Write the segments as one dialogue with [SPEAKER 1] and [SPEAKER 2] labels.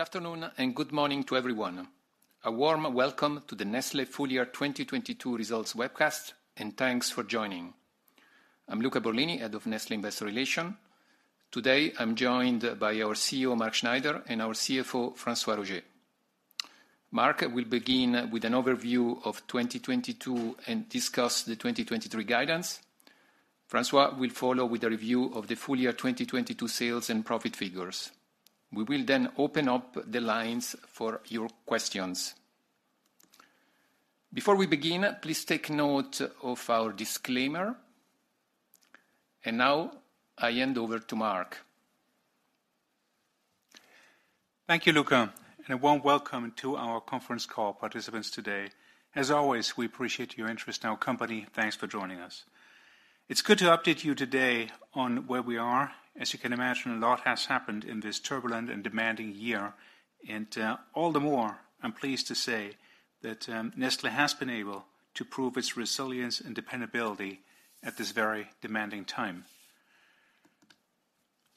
[SPEAKER 1] Good afternoon and good morning to everyone. A warm welcome to the Nestlé Full Year 2022 results webcast, and thanks for joining. I'm Luca Borlini, head of Nestlé Investor Relations. Today, I'm joined by our CEO, Mark Schneider, and our CFO, François-Xavier Roger. Mark will begin with an overview of 2022 and discuss the 2023 guidance. François will follow with a review of the full year 2022 sales and profit figures. We will open up the lines for your questions. Before we begin, please take note of our disclaimer. Now I hand over to Mark.
[SPEAKER 2] Thank you, Luca. A warm welcome to our conference call participants today. As always, we appreciate your interest in our company. Thanks for joining us. It's good to update you today on where we are. As you can imagine, a lot has happened in this turbulent and demanding year. All the more, I'm pleased to say that Nestlé has been able to prove its resilience and dependability at this very demanding time.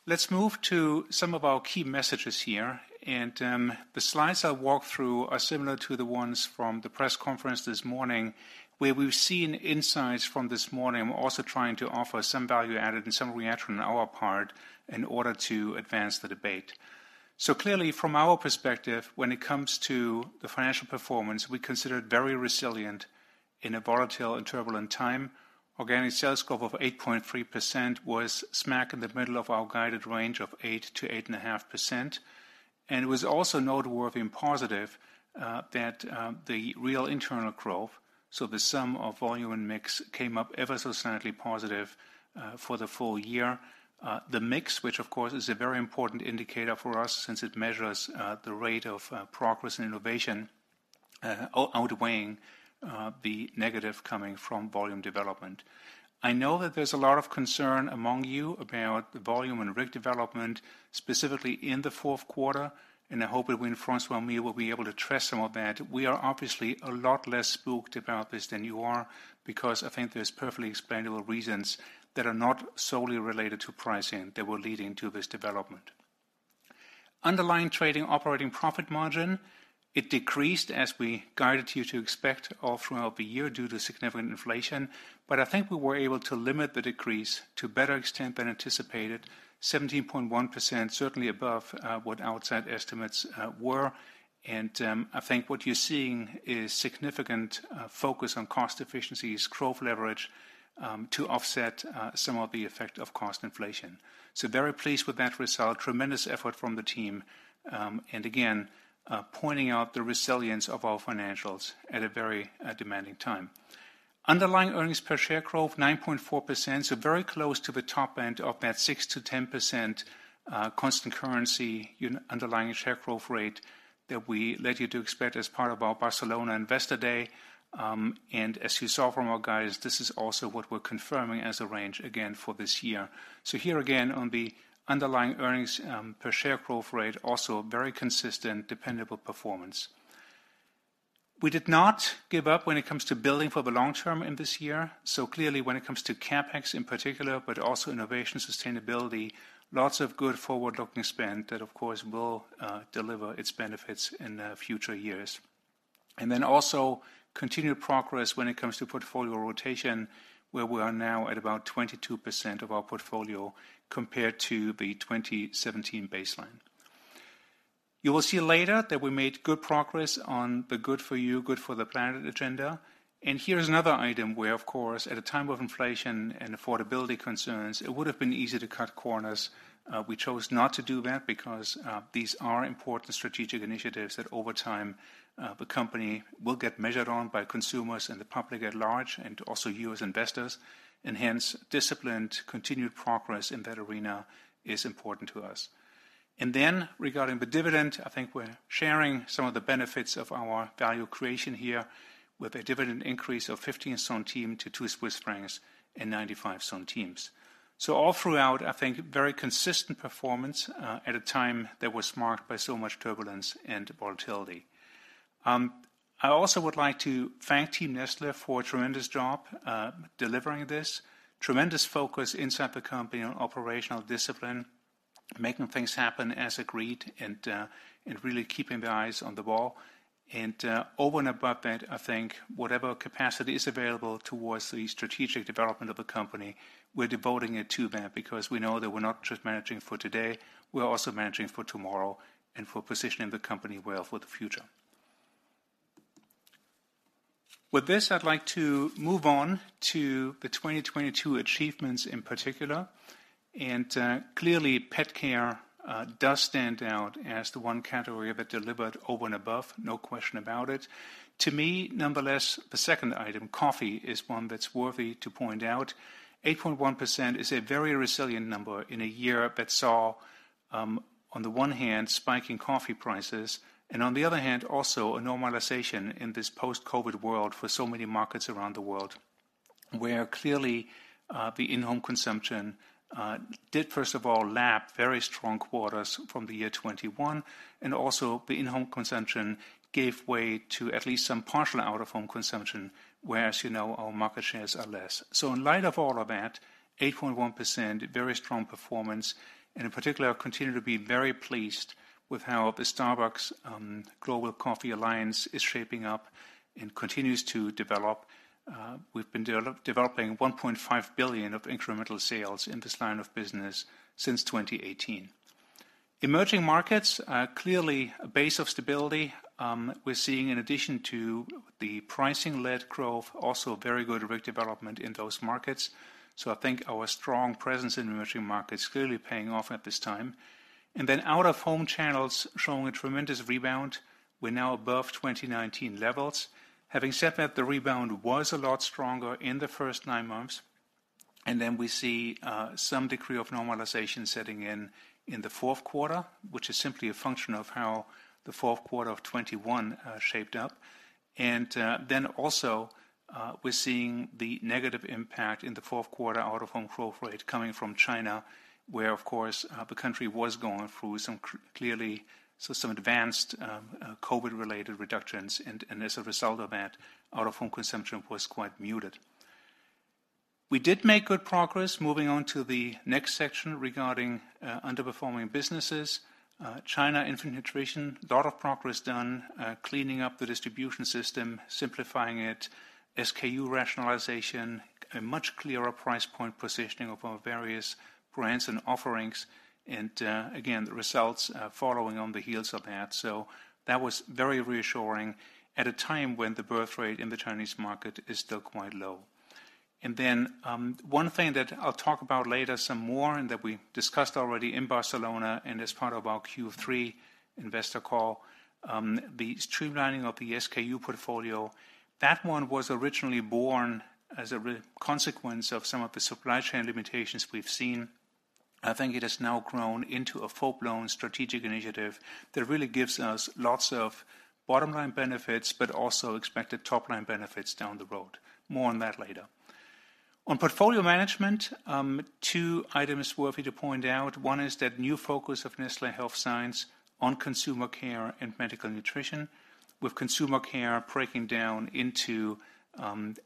[SPEAKER 2] Let's move to some of our key messages here, and the slides I'll walk through are similar to the ones from the press conference this morning, where we've seen insights from this morning. We're also trying to offer some value added and some reaction on our part in order to advance the debate. Clearly from our perspective, when it comes to the financial performance, we consider it very resilient in a volatile and turbulent time. Organic sales growth of 8.3% was smack in the middle of our guided range of 8% to 8.5%. It was also noteworthy and positive that the real internal growth, so the sum of volume and mix, came up ever so slightly positive for the full year. The mix, which of course is a very important indicator for us since it measures the rate of progress and innovation, outweighing the negative coming from volume development. I know that there's a lot of concern among you about the volume and RIG development, specifically in the fourth quarter. I hope that when François and me will be able to address some of that. We are obviously a lot less spooked about this than you are because I think there's perfectly explainable reasons that are not solely related to pricing that were leading to this development. Underlying trading operating profit margin, it decreased as we guided you to expect all throughout the year due to significant inflation. I think we were able to limit the decrease to better extent than anticipated. 17.1%, certainly above what outside estimates were. I think what you're seeing is significant focus on cost efficiencies, growth leverage to offset some of the effect of cost inflation. Very pleased with that result. Tremendous effort from the team, again pointing out the resilience of our financials at a very demanding time. Underlying earnings per share growth, 9.4%, so very close to the top end of that 6%-10% constant currency underlying share growth rate that we led you to expect as part of our Barcelona Investor Day. As you saw from our guides, this is also what we're confirming as a range again for this year. Here again on the underlying earnings per share growth rate, also very consistent, dependable performance. We did not give up when it comes to building for the long term in this year. Clearly when it comes to CapEx in particular, but also innovation, sustainability, lots of good forward-looking spend that of course will deliver its benefits in the future years. Continued progress when it comes to portfolio rotation, where we are now at about 22% of our portfolio compared to the 2017 baseline. You will see later that we made good progress on the good for you, good for the planet agenda. Here is another item where, of course, at a time of inflation and affordability concerns, it would've been easy to cut corners. We chose not to do that because these are important strategic initiatives that over time, the company will get measured on by consumers and the public at large, and also you as investors. Hence disciplined, continued progress in that arena is important to us. Regarding the dividend, I think we're sharing some of the benefits of our value creation here with a dividend increase of 0.15 to 2.95 Swiss francs. All throughout, I think very consistent performance at a time that was marked by so much turbulence and volatility. I also would like to thank Team Nestlé for a tremendous job delivering this. Tremendous focus inside the company on operational discipline, making things happen as agreed, and really keeping the eyes on the ball. Over and above that, I think whatever capacity is available towards the strategic development of the company, we're devoting it to that because we know that we're not just managing for today, we're also managing for tomorrow and for positioning the company well for the future. With this, I'd like to move on to the 2022 achievements in particular. Clearly pet care does stand out as the one category that delivered over and above, no question about it. To me, nonetheless, the second item, coffee, is one that's worthy to point out. 8.1% is a very resilient number in a year that saw on the one hand spiking coffee prices and on the other hand, also a normalization in this post-COVID world for so many markets around the world. Where clearly, the in-home consumption did, first of all, lap very strong quarters from the year 2021, and also the in-home consumption gave way to at least some partial out-of-home consumption, where, as you know, our market shares are less. In light of all of that, 8.1%, very strong performance, and in particular, continue to be very pleased with how the Starbucks Global Coffee Alliance is shaping up and continues to develop. We've been developing 1.5 billion of incremental sales in this line of business since 2018. Emerging markets are clearly a base of stability. We're seeing in addition to the pricing-led growth, also very good RIG development in those markets. I think our strong presence in emerging markets is clearly paying off at this time. Out-of-home channels showing a tremendous rebound. We're now above 2019 levels. Having said that, the rebound was a lot stronger in the first 9 months, and then we see some degree of normalization setting in in the fourth quarter, which is simply a function of how the fourth quarter of 2021 shaped up. Then also, we're seeing the negative impact in the fourth quarter out-of-home growth rate coming from China, where, of course, the country was going through clearly, some advanced COVID-related reductions. As a result of that, out-of-home consumption was quite muted. We did make good progress moving on to the next section regarding underperforming businesses. China Infant Nutrition, a lot of progress done cleaning up the distribution system, simplifying it, SKU rationalization, a much clearer price point positioning of our various brands and offerings. Again, the results following on the heels of that. That was very reassuring at a time when the birth rate in the Chinese market is still quite low. One thing that I'll talk about later some more, and that we discussed already in Barcelona and as part of our Q3 investor call, the streamlining of the SKU portfolio. That one was originally born as a consequence of some of the supply chain limitations we've seen. I think it has now grown into a full-blown strategic initiative that really gives us lots of bottom-line benefits, but also expected top-line benefits down the road. More on that later. On portfolio management, 2 items worthy to point out. One is that new focus of Nestlé Health Science on consumer care and medical nutrition, with consumer care breaking down into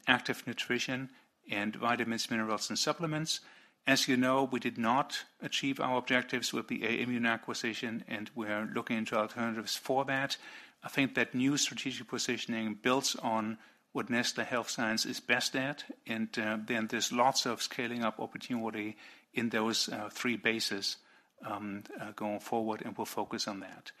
[SPEAKER 2] active nutrition and vitamins, minerals, and supplements. As you know, we did not achieve our objectives with the Aimmune acquisition, and we're looking into alternatives for that. I think that new strategic positioning builds on what Nestlé Health Science is best at, and then there's lots of scaling up opportunity in those 3 bases going forward, and we'll focus on that.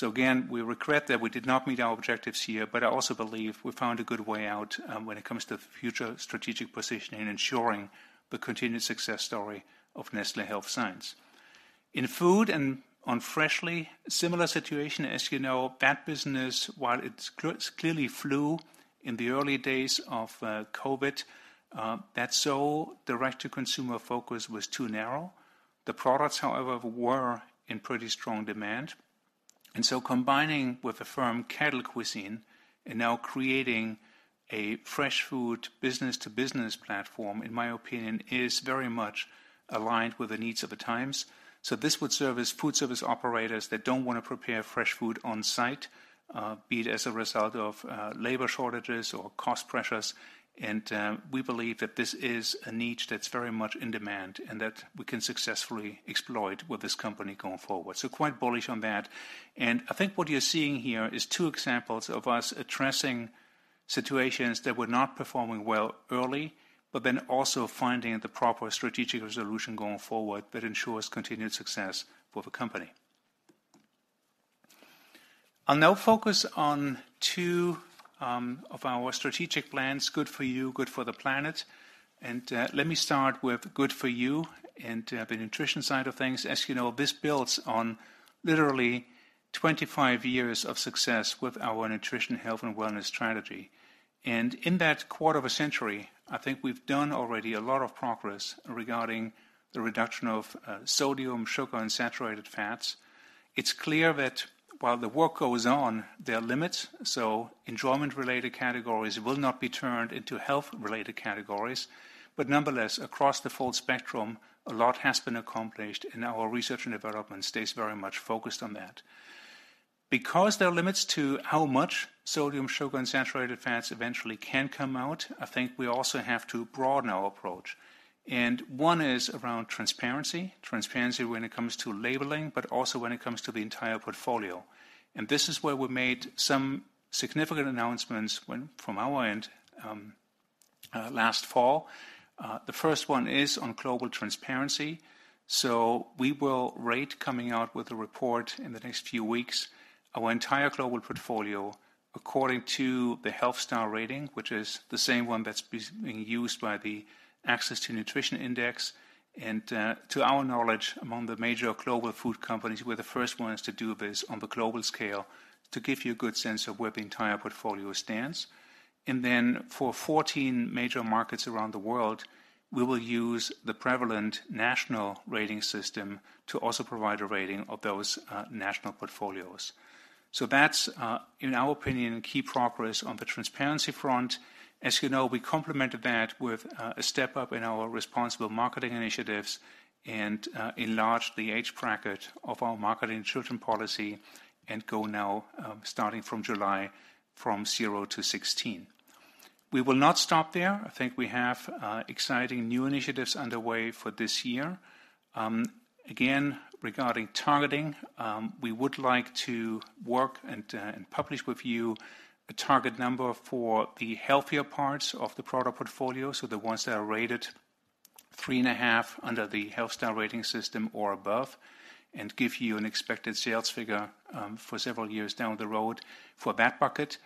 [SPEAKER 2] Again, we regret that we did not meet our objectives here, but I also believe we found a good way out when it comes to future strategic positioning and ensuring the continued success story of Nestlé Health Science. In food and on Freshly, similar situation. As you know, that business, while it's clearly flew in the early days of COVID, that's so direct-to-consumer focus was too narrow. The products, however, were in pretty strong demand. Combining with the firm Kettle Cuisine and now creating a fresh food business-to-business platform, in my opinion, is very much aligned with the needs of the times. This would serve as food service operators that don't want to prepare fresh food on site, be it as a result of labor shortages or cost pressures. We believe that this is a niche that's very much in demand and that we can successfully exploit with this company going forward. Quite bullish on that. I think what you're seeing here is 2 examples of us addressing situations that were not performing well early, but then also finding the proper strategic resolution going forward that ensures continued success for the company. I'll now focus on 2 of our strategic plans, Good For You, Good For the Planet. Let me start with Good For You and the nutrition side of things. As you know, this builds on literally 25 years of success with our nutrition, health, and wellness strategy. In that quarter of a century, I think we've done already a lot of progress regarding the reduction of sodium, sugar, and saturated fats. It's clear that while the work goes on, there are limits, so enjoyment-related categories will not be turned into health-related categories. Nonetheless, across the full spectrum, a lot has been accomplished, and our research and development stays very much focused on that. There are limits to how much sodium, sugar, and saturated fats eventually can come out, I think we also have to broaden our approach. One is around transparency when it comes to labeling, but also when it comes to the entire portfolio. This is where we made some significant announcements from our end last fall. The first one is on global transparency. We will rate, coming out with a report in the next few weeks, our entire global portfolio according to the Health Star Rating, which is the same one that's being used by the Access to Nutrition Index. To our knowledge, among the major global food companies, we're the first ones to do this on the global scale to give you a good sense of where the entire portfolio stands. Then for 14 major markets around the world, we will use the prevalent national rating system to also provide a rating of those national portfolios. That's, in our opinion, key progress on the transparency front. As you know, we complemented that with a step up in our responsible marketing initiatives and enlarged the age bracket of our marketing children policy and go now, starting from July, from 0 to 16. We will not stop there. I think we have exciting new initiatives underway for this year. Again, regarding targeting, we would like to work and publish with you a target number for the healthier parts of the product portfolio, so the ones that are rated 3.5 under the Health Star Rating system or above, and give you an expected sales figure for several years down the road for that bucket.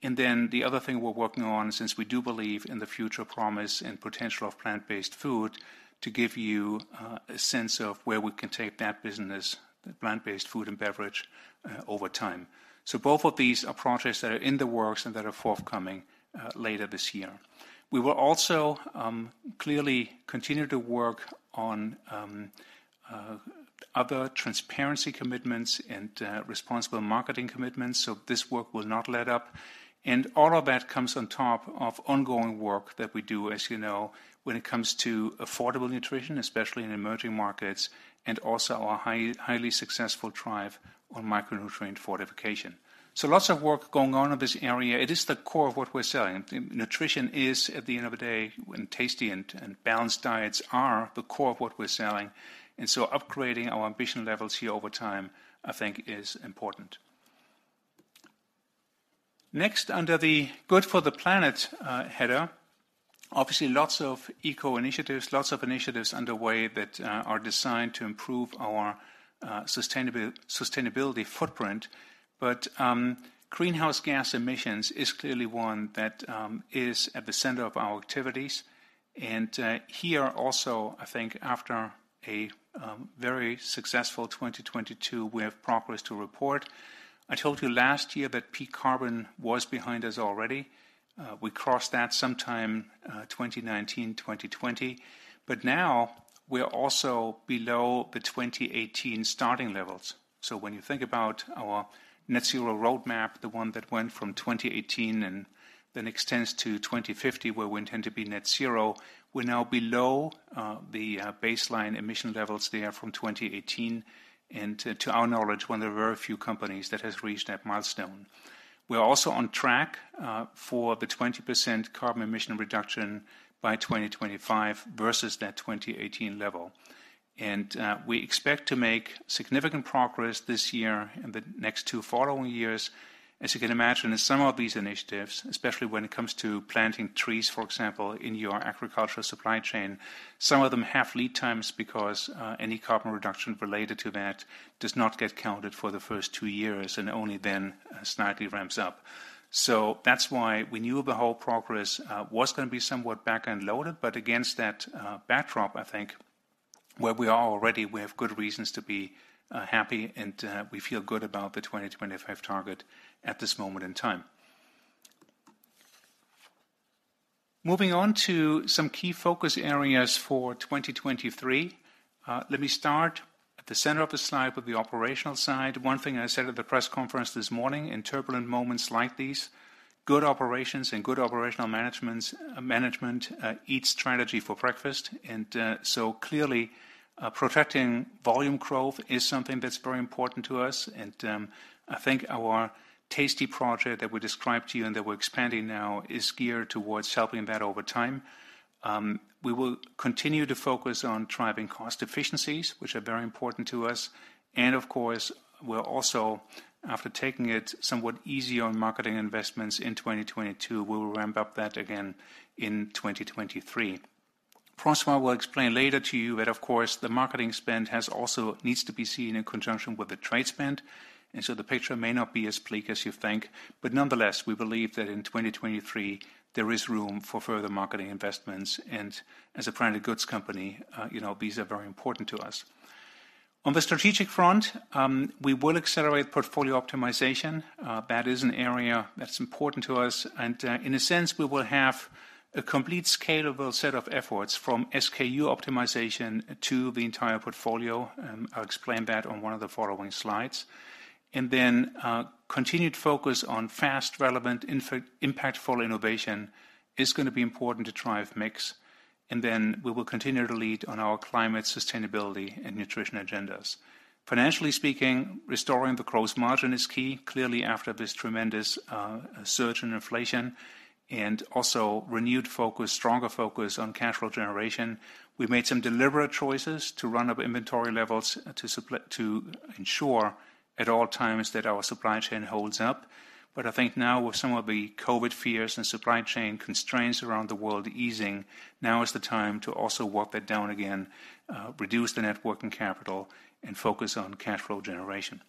[SPEAKER 2] The other thing we're working on, since we do believe in the future promise and potential of plant-based food, to give you a sense of where we can take that business, the plant-based food and beverage over time. Both of these are projects that are in the works and that are forthcoming later this year. We will also clearly continue to work on other transparency commitments and responsible marketing commitments, so this work will not let up. All of that comes on top of ongoing work that we do, as you know, when it comes to affordable nutrition, especially in emerging markets, and also our highly successful drive on micronutrient fortification. Lots of work going on in this area. It is the core of what we're selling. Nutrition is, at the end of the day, and tasty and balanced diets are the core of what we're selling. Upgrading our ambition levels here over time, I think is important. Next, under the Good for the Planet, header, obviously lots of eco initiatives, lots of initiatives underway that are designed to improve our sustainability footprint. Greenhouse gas emissions is clearly one that is at the center of our activities. Here also, I think after a very successful 2022, we have progress to report. I told you last year that peak carbon was behind us already. We crossed that sometime, 2019, 2020. Now we're also below the 2018 starting levels. When you think about our net zero roadmap, the one that went from 2018 and then extends to 2050, where we intend to be net zero, we're now below the baseline emission levels there from 2018. To our knowledge, one of the very few companies that has reached that milestone. We are also on track for the 20% carbon emission reduction by 2025 versus that 2018 level. We expect to make significant progress this year and the next 2 following years. As you can imagine, in some of these initiatives, especially when it comes to planting trees, for example, in your agricultural supply chain, some of them have lead times because any carbon reduction related to that does not get counted for the first 2 years and only then slightly ramps up. That's why we knew the whole progress was gonna be somewhat back-end loaded, but against that backdrop, I think where we are already, we have good reasons to be happy and we feel good about the 2025 target at this moment in time. Moving on to some key focus areas for 2023. Let me start at the center of the slide with the operational side. One thing I said at the press conference this morning, in turbulent moments like these, good operations and good operational management eats strategy for breakfast. Clearly protecting volume growth is something that's very important to us. I think our Project TASTY that we described to you and that we're expanding now is geared towards helping that over time. We will continue to focus on driving cost efficiencies, which are very important to us, and of course, we're also, after taking it somewhat easy on marketing investments in 2022, we'll ramp up that again in 2023. François will explain later to you that, of course, the marketing spend has also needs to be seen in conjunction with the trade spend, and so the picture may not be as bleak as you think. Nonetheless, we believe that in 2023 there is room for further marketing investments. As a branded goods company, you know, these are very important to us. On the strategic front, we will accelerate portfolio optimization. That is an area that's important to us. In a sense, we will have a complete scalable set of efforts from SKU optimization to the entire portfolio. I'll explain that on one of the following slides. Continued focus on fast, relevant, impactful innovation is gonna be important to drive mix. We will continue to lead on our climate sustainability and nutrition agendas. Financially speaking, restoring the gross margin is key. Clearly, after this tremendous surge in inflation and also renewed focus, stronger focus on cash flow generation. We've made some deliberate choices to run up inventory levels to ensure at all times that our supply chain holds up. I think now with some of the COVID fears and supply chain constraints around the world easing, now is the time to also walk that down again, reduce the net working capital, and focus on cash flow generation.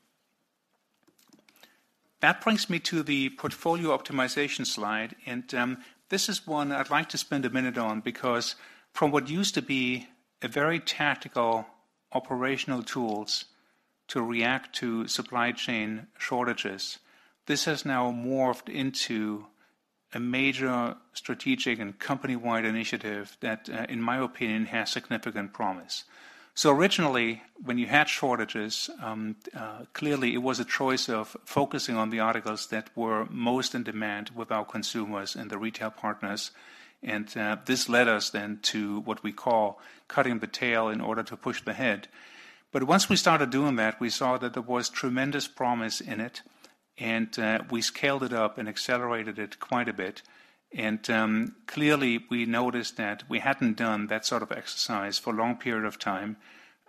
[SPEAKER 2] That brings me to the portfolio optimization slide. This is one I'd like to spend 1 minute on because from what used to be a very tactical operational tools to react to supply chain shortages, this has now morphed into a major strategic and company-wide initiative that, in my opinion, has significant promise. Originally, when you had shortages, clearly it was a choice of focusing on the articles that were most in demand with our consumers and the retail partners. This led us then to what we call cutting the tail in order to push the head. Once we started doing that, we saw that there was tremendous promise in it. We scaled it up and accelerated it quite a bit. Clearly, we noticed that we hadn't done that sort of exercise for a long period of time,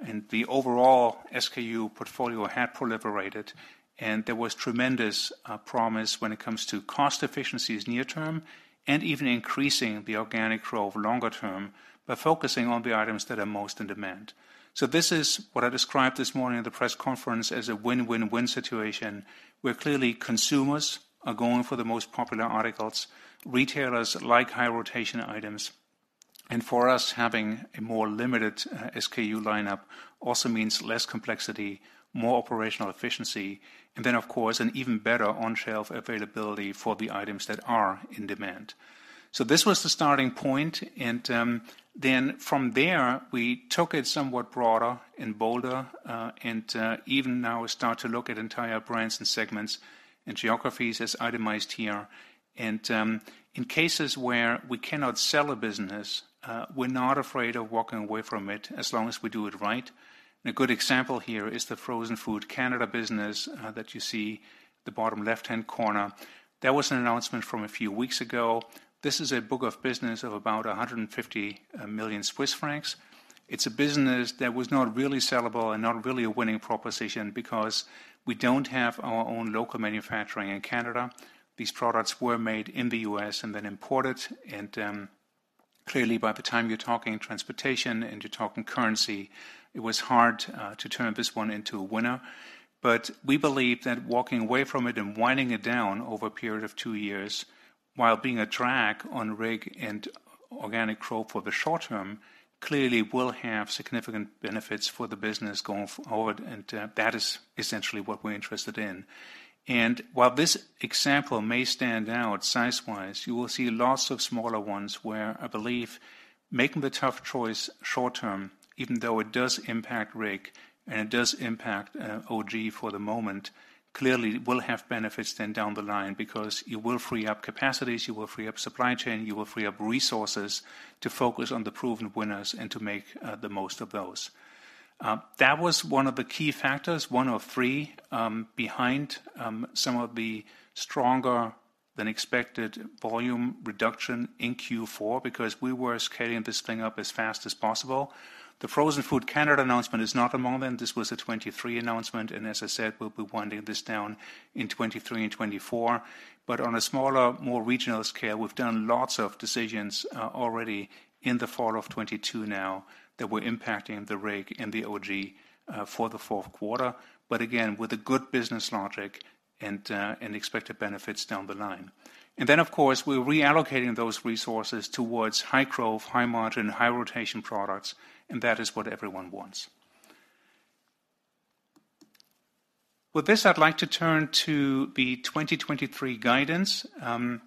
[SPEAKER 2] and the overall SKU portfolio had proliferated. There was tremendous promise when it comes to cost efficiencies near term and even increasing the organic growth longer term by focusing on the items that are most in demand. This is what I described this morning at the press conference as a win-win-win situation, where clearly consumers are going for the most popular articles, retailers like high-rotation items, and for us, having a more limited SKU lineup also means less complexity, more operational efficiency, and then, of course, an even better on-shelf availability for the items that are in demand. This was the starting point and, then from there, we took it somewhat broader and bolder, and even now start to look at entire brands and segments and geographies as itemized here. In cases where we cannot sell a business, we're not afraid of walking away from it as long as we do it right. A good example here is the frozen food Canada business that you see the bottom left-hand corner. That was an announcement from a few weeks ago. This is a book of business of about 150 million Swiss francs. It's a business that was not really sellable and not really a winning proposition because we don't have our own local manufacturing in Canada. These products were made in the U.S. and then imported. Clearly, by the time you're talking transportation and you're talking currency, it was hard to turn this one into a winner. We believe that walking away from it and winding it down over a period of 2 years, while being a drag on RIG and organic growth for the short term, clearly will have significant benefits for the business going forward. That is essentially what we're interested in. While this example may stand out size-wise, you will see lots of smaller ones where I believe making the tough choice short term, even though it does impact RIG and it does impact OG for the moment, clearly will have benefits then down the line because you will free up capacities, you will free up supply chain, you will free up resources to focus on the proven winners and to make the most of those. That was one of the key factors, one of 3, behind some of the stronger than expected volume reduction in Q4 because we were scaling this thing up as fast as possible. The frozen food Canada announcement is not among them. This was a 2023 announcement, as I said, we'll be winding this down in 2023 and 2024. On a smaller, more regional scale, we've done lots of decisions already in the fall of 2022 now that were impacting the RIG and the OG for the fourth quarter. Again, with a good business logic and expected benefits down the line. Of course, we're reallocating those resources towards high growth, high margin, high rotation products, and that is what everyone wants. With this, I'd like to turn to the 2023 guidance and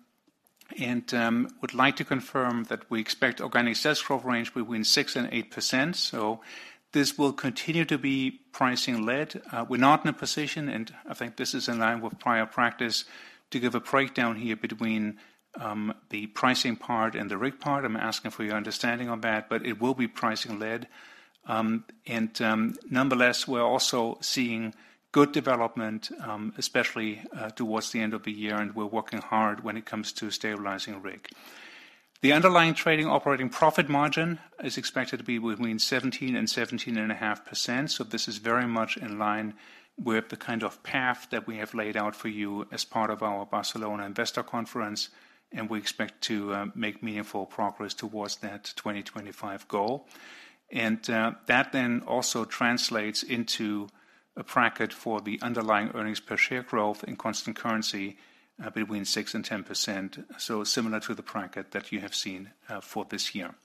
[SPEAKER 2] would like to confirm that we expect organic sales growth range between 6% and 8%. This will continue to be pricing led. We're not in a position, and I think this is in line with prior practice, to give a breakdown here between the pricing part and the RIG part. I'm asking for your understanding on that. It will be pricing led. Nonetheless, we're also seeing good development, especially towards the end of the year, and we're working hard when it comes to stabilizing RIG. The underlying trading operating profit margin is expected to be between 17% and 17.5%, so this is very much in line with the kind of path that we have laid out for you as part of our 2022 Nestlé Investor Seminar, and we expect to make meaningful progress towards that 2025 goal. That then also translates into a bracket for the underlying earnings per share growth in constant currency between 6% and 10%, so similar to the bracket that you have seen for this year.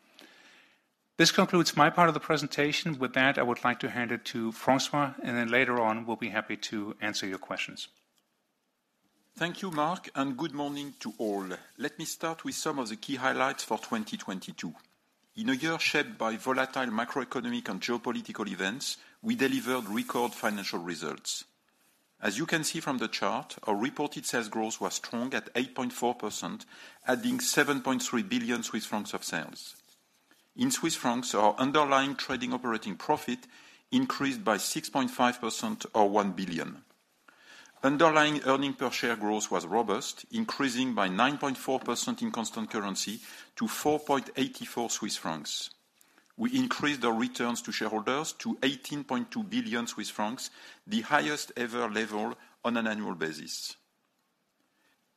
[SPEAKER 2] This concludes my part of the presentation. With that, I would like to hand it to François, and then later on, we'll be happy to answer your questions.
[SPEAKER 3] Thank you, Mark, and good morning to all. Let me start with some of the key highlights for 2022. In a year shaped by volatile macroeconomic and geopolitical events, we delivered record financial results. As you can see from the chart, our reported sales growth was strong at 8.4%, adding 7.3 billion Swiss francs of sales. In Swiss francs, our underlying trading operating profit increased by 6.5% or 1 billion. Underlying earnings per share growth was robust, increasing by 9.4% in constant currency to 4.84 Swiss francs. We increased our returns to shareholders to 18.2 billion Swiss francs, the highest ever level on an annual basis.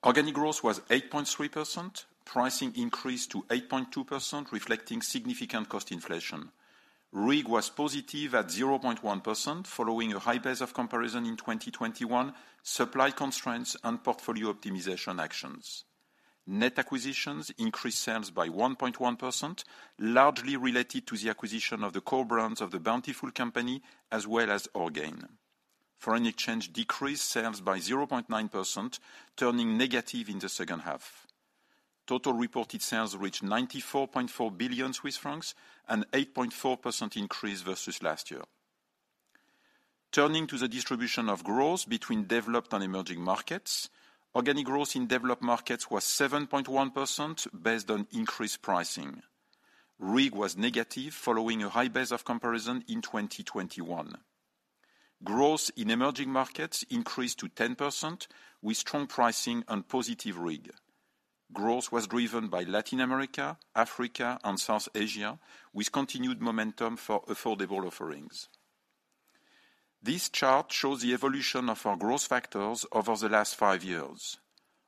[SPEAKER 3] Organic growth was 8.3%. Pricing increased to 8.2%, reflecting significant cost inflation. RIG was positive at 0.1% following a high base of comparison in 2021, supply constraints and portfolio optimization actions. Net acquisitions increased sales by 1.1%, largely related to the acquisition of the core brands of The Bountiful Company as well as Orgain. Foreign exchange decreased sales by 0.9%, turning negative in the second half. Total reported sales reached 94.4 billion Swiss francs, an 8.4% increase versus last year. Turning to the distribution of growth between developed and emerging markets, organic growth in developed markets was 7.1% based on increased pricing. RIG was negative following a high base of comparison in 2021. Growth in emerging markets increased to 10% with strong pricing and positive RIG. Growth was driven by Latin America, Africa, and South Asia, with continued momentum for affordable offerings. This chart shows the evolution of our growth factors over the last 5 years.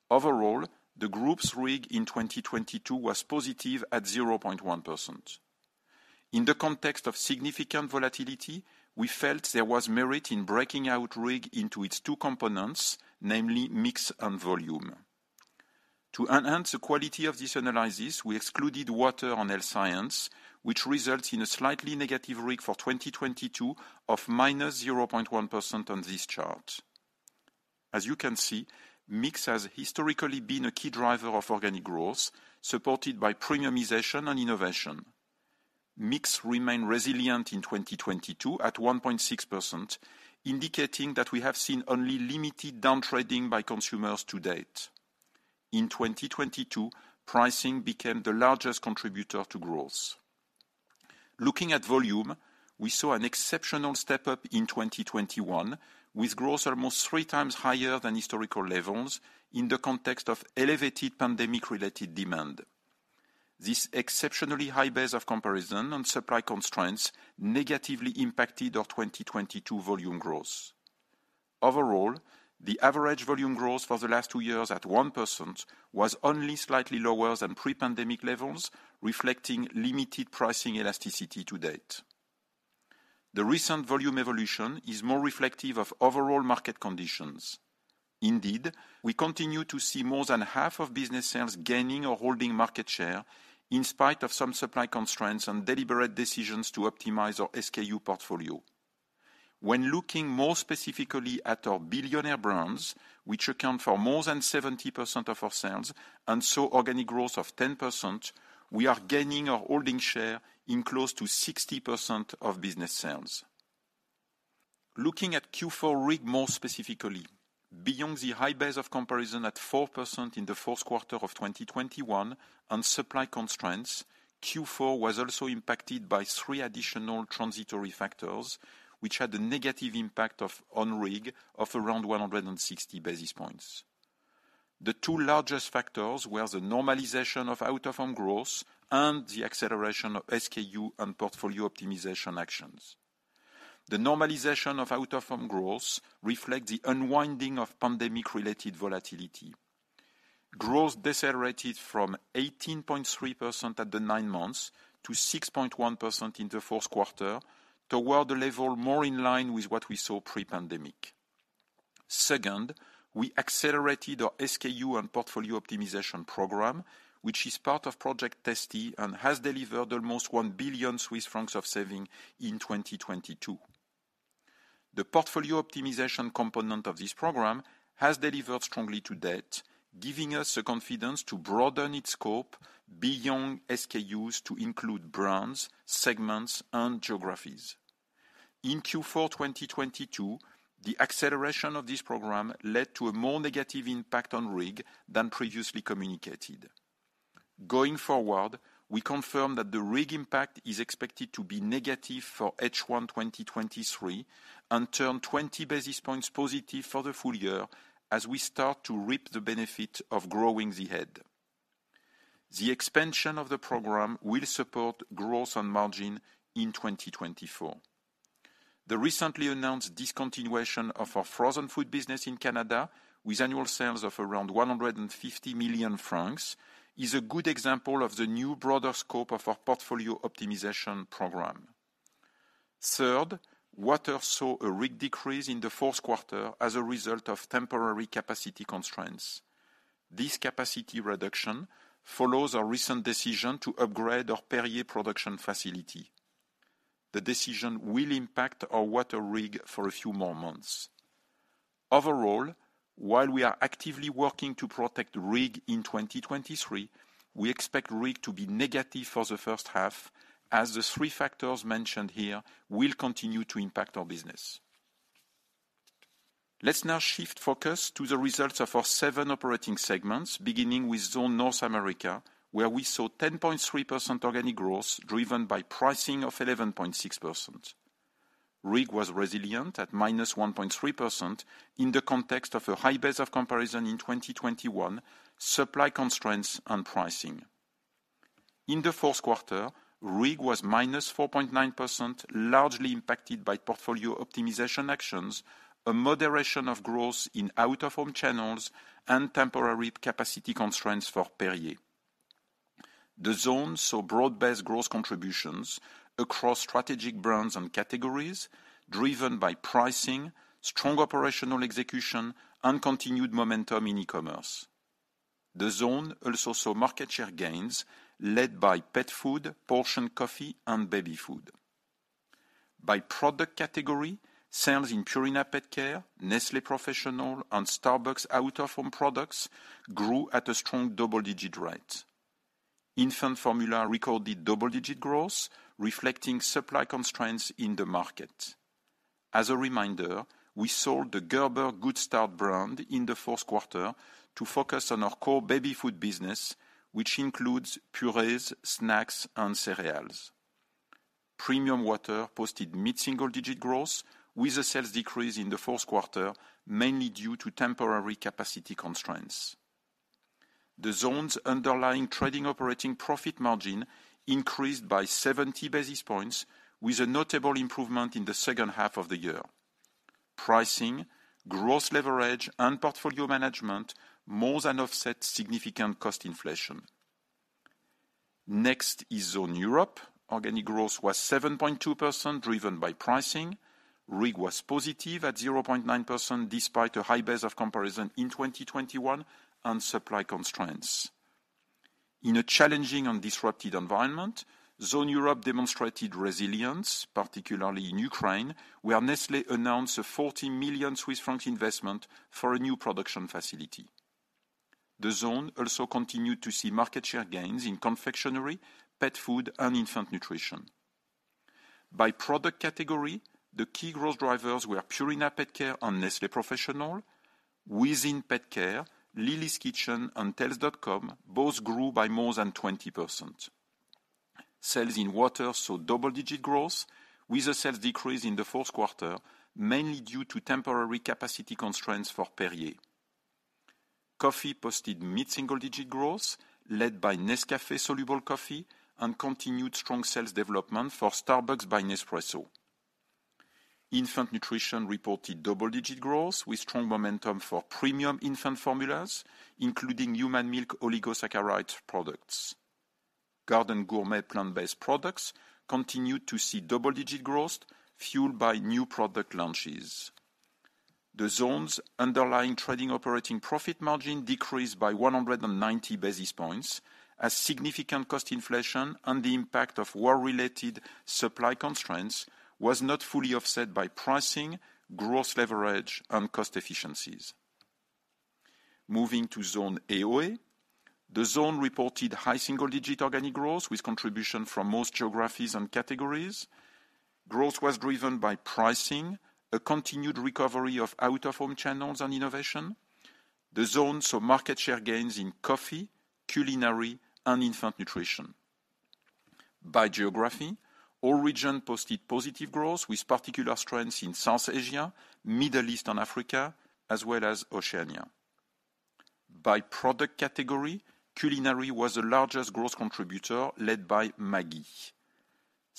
[SPEAKER 3] Overall, the group's RIG in 2022 was positive at 0.1%. In the context of significant volatility, we felt there was merit in breaking out RIG into its 2 components, namely mix and volume. To enhance the quality of this analysis, we excluded water and Health Science, which results in a slightly negative RIG for 2022 of -0.1% on this chart. As you can see, mix has historically been a key driver of organic growth, supported by premiumization and innovation. Mix remained resilient in 2022 at 1.6%, indicating that we have seen only limited downtrading by consumers to date. In 2022, pricing became the largest contributor to growth. Looking at volume, we saw an exceptional step-up in 2021, with growth almost 3 times higher than historical levels in the context of elevated pandemic-related demand. This exceptionally high base of comparison and supply constraints negatively impacted our 2022 volume growth. Overall, the average volume growth for the last 2 years at 1% was only slightly lower than pre-pandemic levels, reflecting limited pricing elasticity to date. The recent volume evolution is more reflective of overall market conditions. Indeed, we continue to see more than half of business sales gaining or holding market share in spite of some supply constraints and deliberate decisions to optimize our SKU portfolio. When looking more specifically at our billionaire brands, which account for more than 70% of our sales and saw organic growth of 10%, we are gaining or holding share in close to 60% of business sales. Looking at Q4 RIG more specifically, beyond the high base of comparison at 4% in the fourth quarter of 2021 and supply constraints, Q4 was also impacted by 3 additional transitory factors, which had a negative impact on RIG of around 160 basis points. The 2 largest factors were the normalization of out-of-home growth and the acceleration of SKU and portfolio optimization actions. The normalization of out-of-home growth reflects the unwinding of pandemic-related volatility. Growth decelerated from 18.3% at the nine months to 6.1% in the fourth quarter, toward the level more in line with what we saw pre-pandemic. Second, we accelerated our SKU and portfolio optimization program, which is part of Project TASTY and has delivered almost 1 billion Swiss francs of saving in 2022. The portfolio optimization component of this program has delivered strongly to date, giving us the confidence to broaden its scope beyond SKUs to include brands, segments, and geographies. In Q4 2022, the acceleration of this program led to a more negative impact on RIG than previously communicated. Going forward, we confirm that the RIG impact is expected to be negative for H1 2023 and turn 20 basis points positive for the full year as we start to reap the benefit of growing the head. The expansion of the program will support growth and margin in 2024. The recently announced discontinuation of our frozen food business in Canada, with annual sales of around 150 million francs, is a good example of the new broader scope of our portfolio optimization program. Third, water saw a RIG decrease in the fourth quarter as a result of temporary capacity constraints. This capacity reduction follows our recent decision to upgrade our Perrier production facility. The decision will impact our water RIG for a few more months. Overall, while we are actively working to protect RIG in 2023, we expect RIG to be negative for the first half, as the 3 factors mentioned here will continue to impact our business. Let's now shift focus to the results of our seven operating segments, beginning with Zone North America, where we saw 10.3% organic growth, driven by pricing of 11.6%. RIG was resilient at -1.3% in the context of a high base of comparison in 2021, supply constraints, and pricing. In the fourth quarter, RIG was -4.9%, largely impacted by portfolio optimization actions, a moderation of growth in out-of-home channels, and temporary capacity constraints for Perrier. The zone saw broad-based growth contributions across strategic brands and categories, driven by pricing, strong operational execution, and continued momentum in e-commerce. The zone also saw market share gains led by pet food, portion coffee, and baby food. By product category, sales in Purina PetCare, Nestlé Professional, and Starbucks out-of-home products grew at a strong double-digit rate. Infant formula recorded double-digit growth, reflecting supply constraints in the market. As a reminder, we sold the Gerber Good Start brand in the fourth quarter to focus on our core baby food business, which includes purees, snacks, and cereals. Premium water posted mid-single digit growth with a sales decrease in the fourth quarter, mainly due to temporary capacity constraints. The zone's underlying trading operating profit margin increased by 70 basis points with a notable improvement in the second half of the year. Pricing, growth leverage, and portfolio management more than offset significant cost inflation. Next is Zone Europe. Organic growth was 7.2% driven by pricing. RIG was positive at 0.9% despite a high base of comparison in 2021 and supply constraints. In a challenging and disrupted environment, Zone Europe demonstrated resilience, particularly in Ukraine, where Nestlé announced a 40 million Swiss franc investment for a new production facility. The zone also continued to see market share gains in confectionery, pet food, and infant nutrition. By product category, the key growth drivers were Purina PetCare and Nestlé Professional. Within Pet Care, Lily's Kitchen and Tails.com both grew by more than 20%. Sales in water saw double-digit growth, with a sales decrease in the fourth quarter mainly due to temporary capacity constraints for Perrier. Coffee posted mid-single digit growth led by Nescafé soluble coffee and continued strong sales development for Starbucks by Nespresso. Infant nutrition reported double-digit growth with strong momentum for premium infant formulas, including Human Milk Oligosaccharides products. Garden Gourmet plant-based products continued to see double-digit growth fueled by new product launches. The zone's underlying trading operating profit margin decreased by 190 basis points as significant cost inflation and the impact of war-related supply constraints was not fully offset by pricing, growth leverage, and cost efficiencies. Moving to Zone AOA, the zone reported high single-digit organic growth with contribution from most geographies and categories. Growth was driven by pricing, a continued recovery of out-of-home channels and innovation. The zones saw market share gains in coffee, culinary, and infant nutrition. By geography, all regions posted positive growth with particular strengths in South Asia, Middle East and Africa, as well as Oceania. By product category, culinary was the largest growth contributor, led by Maggi.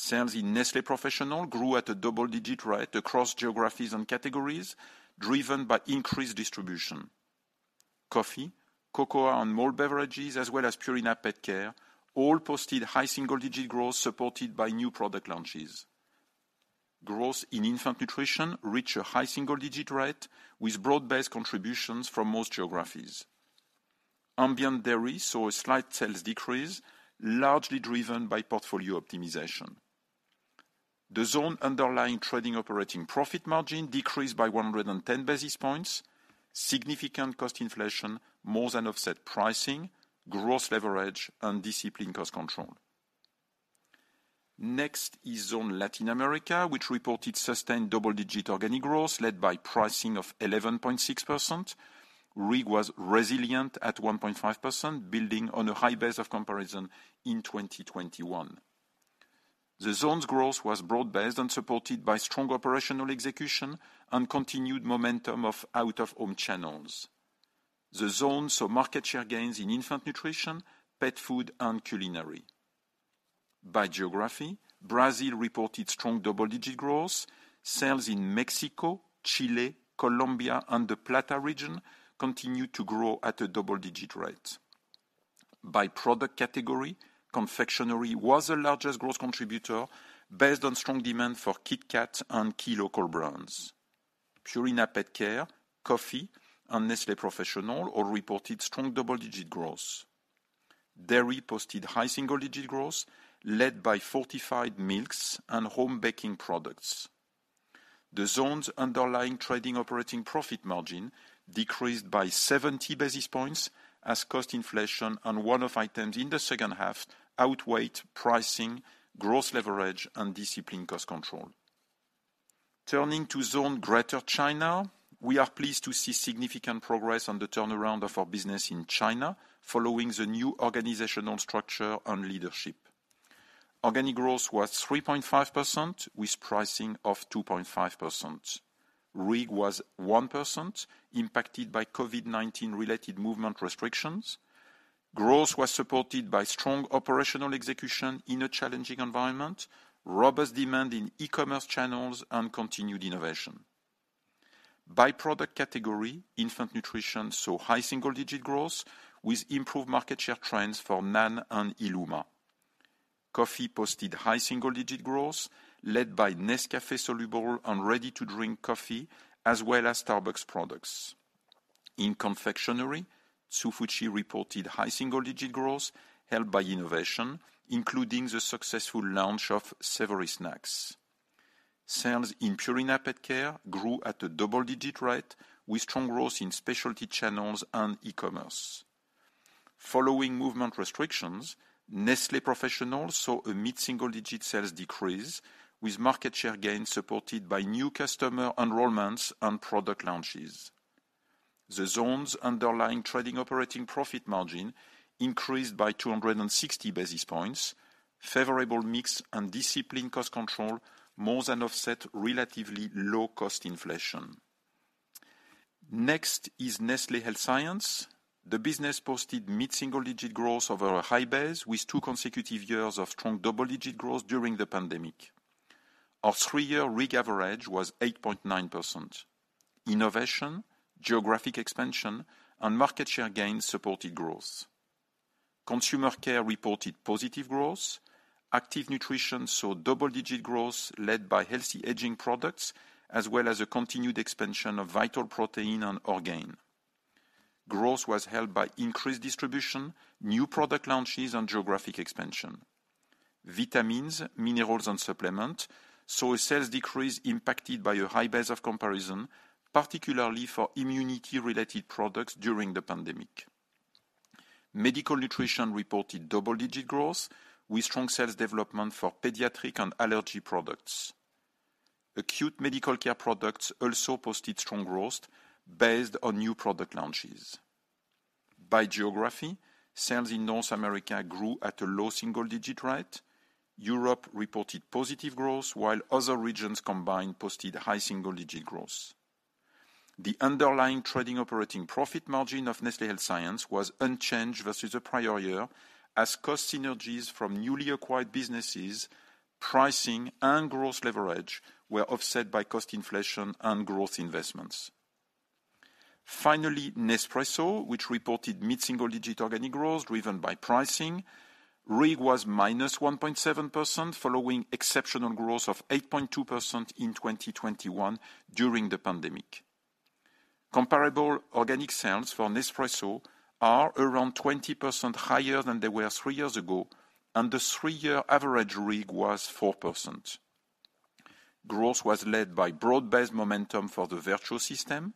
[SPEAKER 3] Sales in Nestlé Professional grew at a double-digit rate across geographies and categories, driven by increased distribution. Coffee, cocoa, and malt beverages, as well as Purina PetCare, all posted high single-digit growth supported by new product launches. Growth in infant nutrition reached a high single-digit rate with broad-based contributions from most geographies. Ambient dairy saw a slight sales decrease, largely driven by portfolio optimization. The zone underlying trading operating profit margin decreased by 110 basis points. Significant cost inflation more than offset pricing, growth leverage, and disciplined cost control. Next is Zone Latin America, which reported sustained double-digit organic growth led by pricing of 11.6%. RIG was resilient at 1.5%, building on a high base of comparison in 2021. The zone's growth was broad-based and supported by strong operational execution and continued momentum of out-of-home channels. The zone saw market share gains in infant nutrition, pet food, and culinary. By geography, Brazil reported strong double-digit growth. Sales in Mexico, Chile, Colombia, and the Plata region continued to grow at a double-digit rate. By product category, confectionery was the largest growth contributor based on strong demand for KitKat and key local brands. Purina PetCare, coffee, and Nestlé Professional all reported strong double-digit growth. Dairy posted high single-digit growth led by fortified milks and home baking products. The zone's underlying trading operating profit margin decreased by 70 basis points as cost inflation on one-off items in the second half outweighed pricing, growth leverage, and disciplined cost control. Turning to Zone Greater China, we are pleased to see significant progress on the turnaround of our business in China following the new organizational structure and leadership. Organic growth was 3.5% with pricing of 2.5%. RIG was 1% impacted by COVID-19 related movement restrictions. Growth was supported by strong operational execution in a challenging environment, robust demand in e-commerce channels, and continued innovation. By product category, infant nutrition saw high single-digit growth with improved market share trends for NAN and Illuma. Coffee posted high single-digit growth led by Nescafé soluble and ready-to-drink coffee, as well as Starbucks products. In confectionery, Hsu Fu Chi reported high single-digit growth helped by innovation, including the successful launch of savory snacks. Sales in Purina PetCare grew at a double-digit rate with strong growth in specialty channels and e-commerce. Following movement restrictions, Nestlé Professional saw a mid-single digit sales decrease with market share gains supported by new customer enrollments and product launches. The zones underlying trading operating profit margin increased by 260 basis points. Favorable mix and discipline cost control more than offset relatively low cost inflation. Next is Nestlé Health Science. The business posted mid-single digit growth over a high base with 2 consecutive years of strong double-digit growth during the pandemic. Our 3-year RIG average was 8.9%. Innovation, geographic expansion, and market share gains supported growth. Consumer care reported positive growth. Active nutrition saw double-digit growth led by healthy aging products, as well as a continued expansion of Vital Proteins and Orgain. Growth was held by increased distribution, new product launches, and geographic expansion. Vitamins, minerals, and supplement saw a sales decrease impacted by a high base of comparison, particularly for immunity related products during the pandemic. Medical nutrition reported double-digit growth with strong sales development for pediatric and allergy products. Acute medical care products also posted strong growth based on new product launches. By geography, sales in North America grew at a low single-digit rate. Europe reported positive growth, while other regions combined posted high single-digit growth. The underlying trading operating profit margin of Nestlé Health Science was unchanged versus the prior year as cost synergies from newly acquired businesses, pricing and growth leverage were offset by cost inflation and growth investments. Nespresso, which reported mid-single-digit organic growth driven by pricing, RIG was minus 1.7%, following exceptional growth of 8.2% in 2021 during the pandemic. Comparable organic sales for Nespresso are around 20% higher than they were 3 years ago, and the 3-year average RIG was 4%. Growth was led by broad-based momentum for the Vertuo system.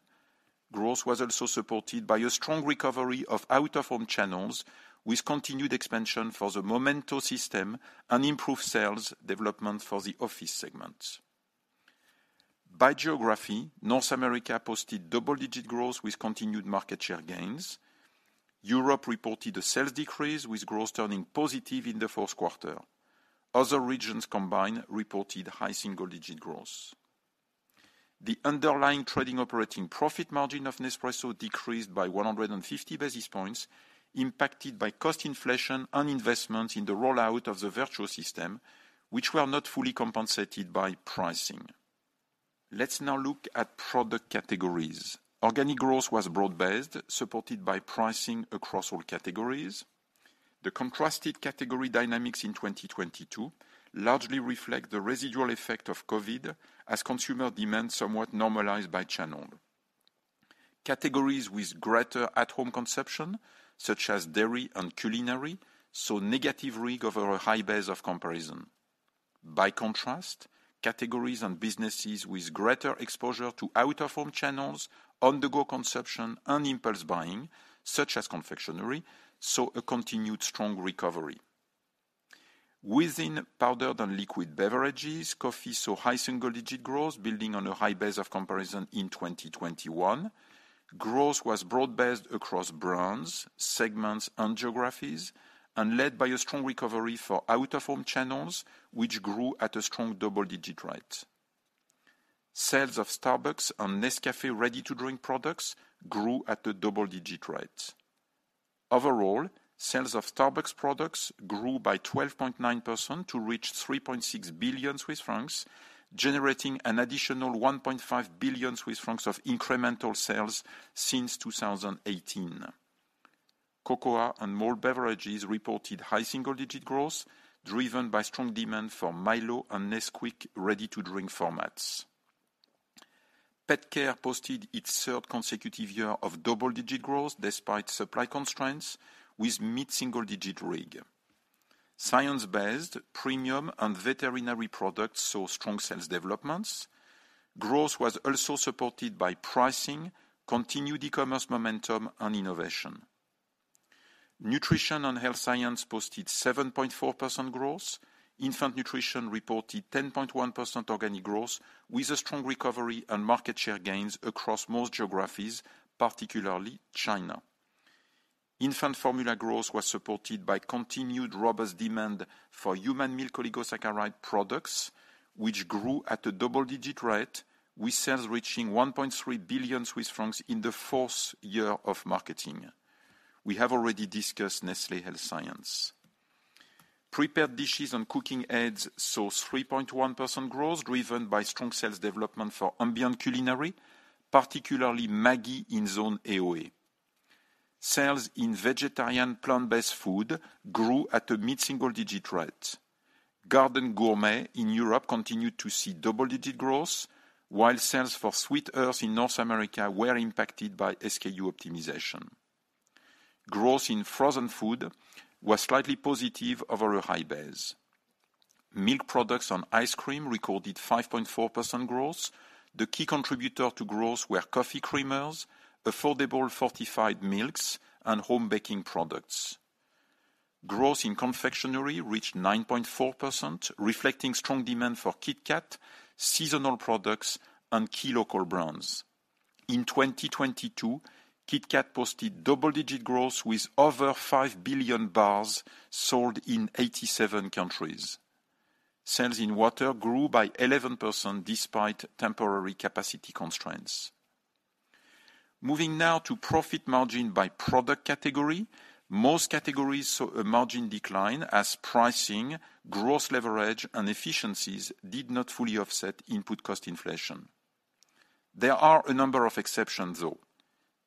[SPEAKER 3] Growth was also supported by a strong recovery of out of home channels with continued expansion for the Momento system and improved sales development for the office segment. By geography, North America posted double-digit growth with continued market share gains. Europe reported a sales decrease with growth turning positive in the fourth quarter. Other regions combined reported high-single-digit growth. The underlying trading operating profit margin of Nespresso decreased by 150 basis points impacted by cost inflation and investments in the rollout of the Vertuo system, which were not fully compensated by pricing. Let's now look at product categories. Organic growth was broad-based, supported by pricing across all categories. The contrasted category dynamics in 2022 largely reflect the residual effect of COVID as consumer demand somewhat normalized by channel. Categories with greater at home consumption, such as dairy and culinary, saw negative RIG over a high base of comparison. By contrast, categories and businesses with greater exposure to out of home channels on the go consumption and impulse buying, such as confectionery, saw a continued strong recovery. Within Powdered and Liquid Beverages, coffee saw high single digit growth building on a high base of comparison in 2021. Growth was broad-based across brands, segments, and geographies, and led by a strong recovery for out of home channels which grew at a strong double-digit rate. Sales of Starbucks and Nescafé ready to drink products grew at a double-digit rate. Overall, sales of Starbucks products grew by 12.9% to reach 3.6 billion Swiss francs, generating an additional 1.5 billion Swiss francs of incremental sales since 2018. Cocoa and more beverages reported high single-digit growth driven by strong demand for Milo and Nesquik ready to drink formats. Pet care posted its third consecutive year of double-digit growth despite supply constraints with mid-single digit RIG. Science-based premium and veterinary products saw strong sales developments. Growth was also supported by pricing, continued e-commerce momentum and innovation. Nutrition and health science posted 7.4% growth. Infant nutrition reported 10.1% organic growth with a strong recovery and market share gains across most geographies, particularly China. Infant formula growth was supported by continued robust demand for Human Milk Oligosaccharides products, which grew at a double-digit rate with sales reaching 1.3 billion Swiss francs in the fourth year of marketing. We have already discussed Nestlé Health Science. Prepared dishes and cooking aids saw 3.1% growth driven by strong sales development for ambient culinary, particularly Maggi in Zone AOA. Sales in vegetarian plant-based food grew at a mid-single digit rate. Garden Gourmet in Europe continued to see double-digit growth, while sales for Sweet Earth in North America were impacted by SKU optimization. Growth in frozen food was slightly positive over a high base. Milk products on ice cream recorded 5.4% growth. The key contributor to growth were coffee creamers, affordable fortified milks, and home baking products. Growth in confectionery reached 9.4%, reflecting strong demand for KitKat, seasonal products, and key local brands. In 2022, KitKat posted double-digit growth with over 5 billion bars sold in 87 countries. Sales in water grew by 11% despite temporary capacity constraints. Moving now to profit margin by product category. Most categories saw a margin decline as pricing, gross leverage, and efficiencies did not fully offset input cost inflation. There are a number of exceptions, though.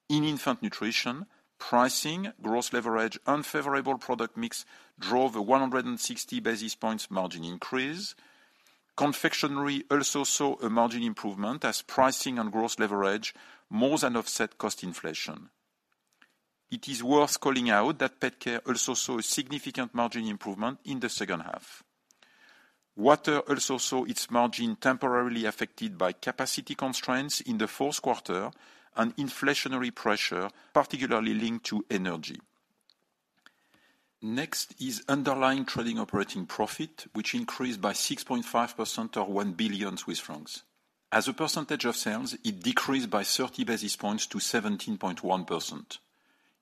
[SPEAKER 3] In infant nutrition, pricing, gross leverage, unfavorable product mix drove a 160 basis points margin increase. Confectionery also saw a margin improvement as pricing and gross leverage more than offset cost inflation. It is worth calling out that pet care also saw a significant margin improvement in the second half. Water also saw its margin temporarily affected by capacity constraints in the fourth quarter and inflationary pressure, particularly linked to energy. Next is underlying trading operating profit, which increased by 6.5% or 1 billion Swiss francs. As a percentage of sales, it decreased by 30 basis points to 17.1%.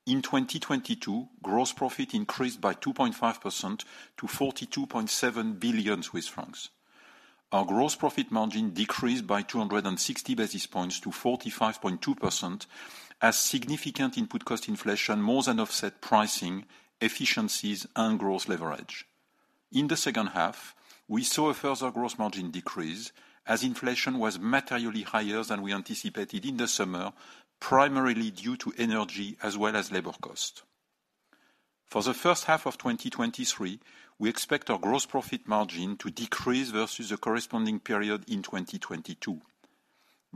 [SPEAKER 3] In 2022, gross profit increased by 2.5% to 42.7 billion Swiss francs. Our gross profit margin decreased by 260 basis points to 45.2% as significant input cost inflation more than offset pricing, efficiencies, and gross leverage. In the second half, we saw a further gross margin decrease as inflation was materially higher than we anticipated in the summer, primarily due to energy as well as labor cost. For the first half of 2023, we expect our gross profit margin to decrease versus the corresponding period in 2022.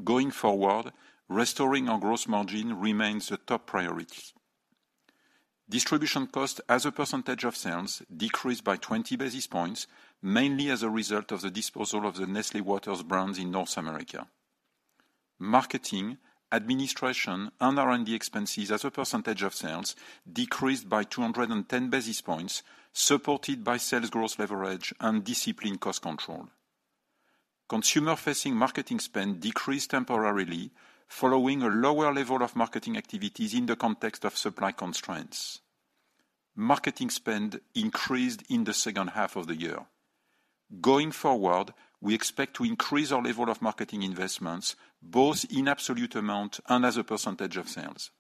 [SPEAKER 3] Going forward, restoring our gross margin remains a top priority. Distribution cost as a percentage of sales decreased by 20 basis points, mainly as a result of the disposal of the Nestlé Waters brands in North America. Marketing, administration, and R&D expenses as a percentage of sales decreased by 210 basis points, supported by sales growth leverage and disciplined cost control. Consumer-facing marketing spend decreased temporarily following a lower level of marketing activities in the context of supply constraints. Marketing spend increased in the second half of the year. Going forward, we expect to increase our level of marketing investments, both in absolute amount and as a percentage of sales.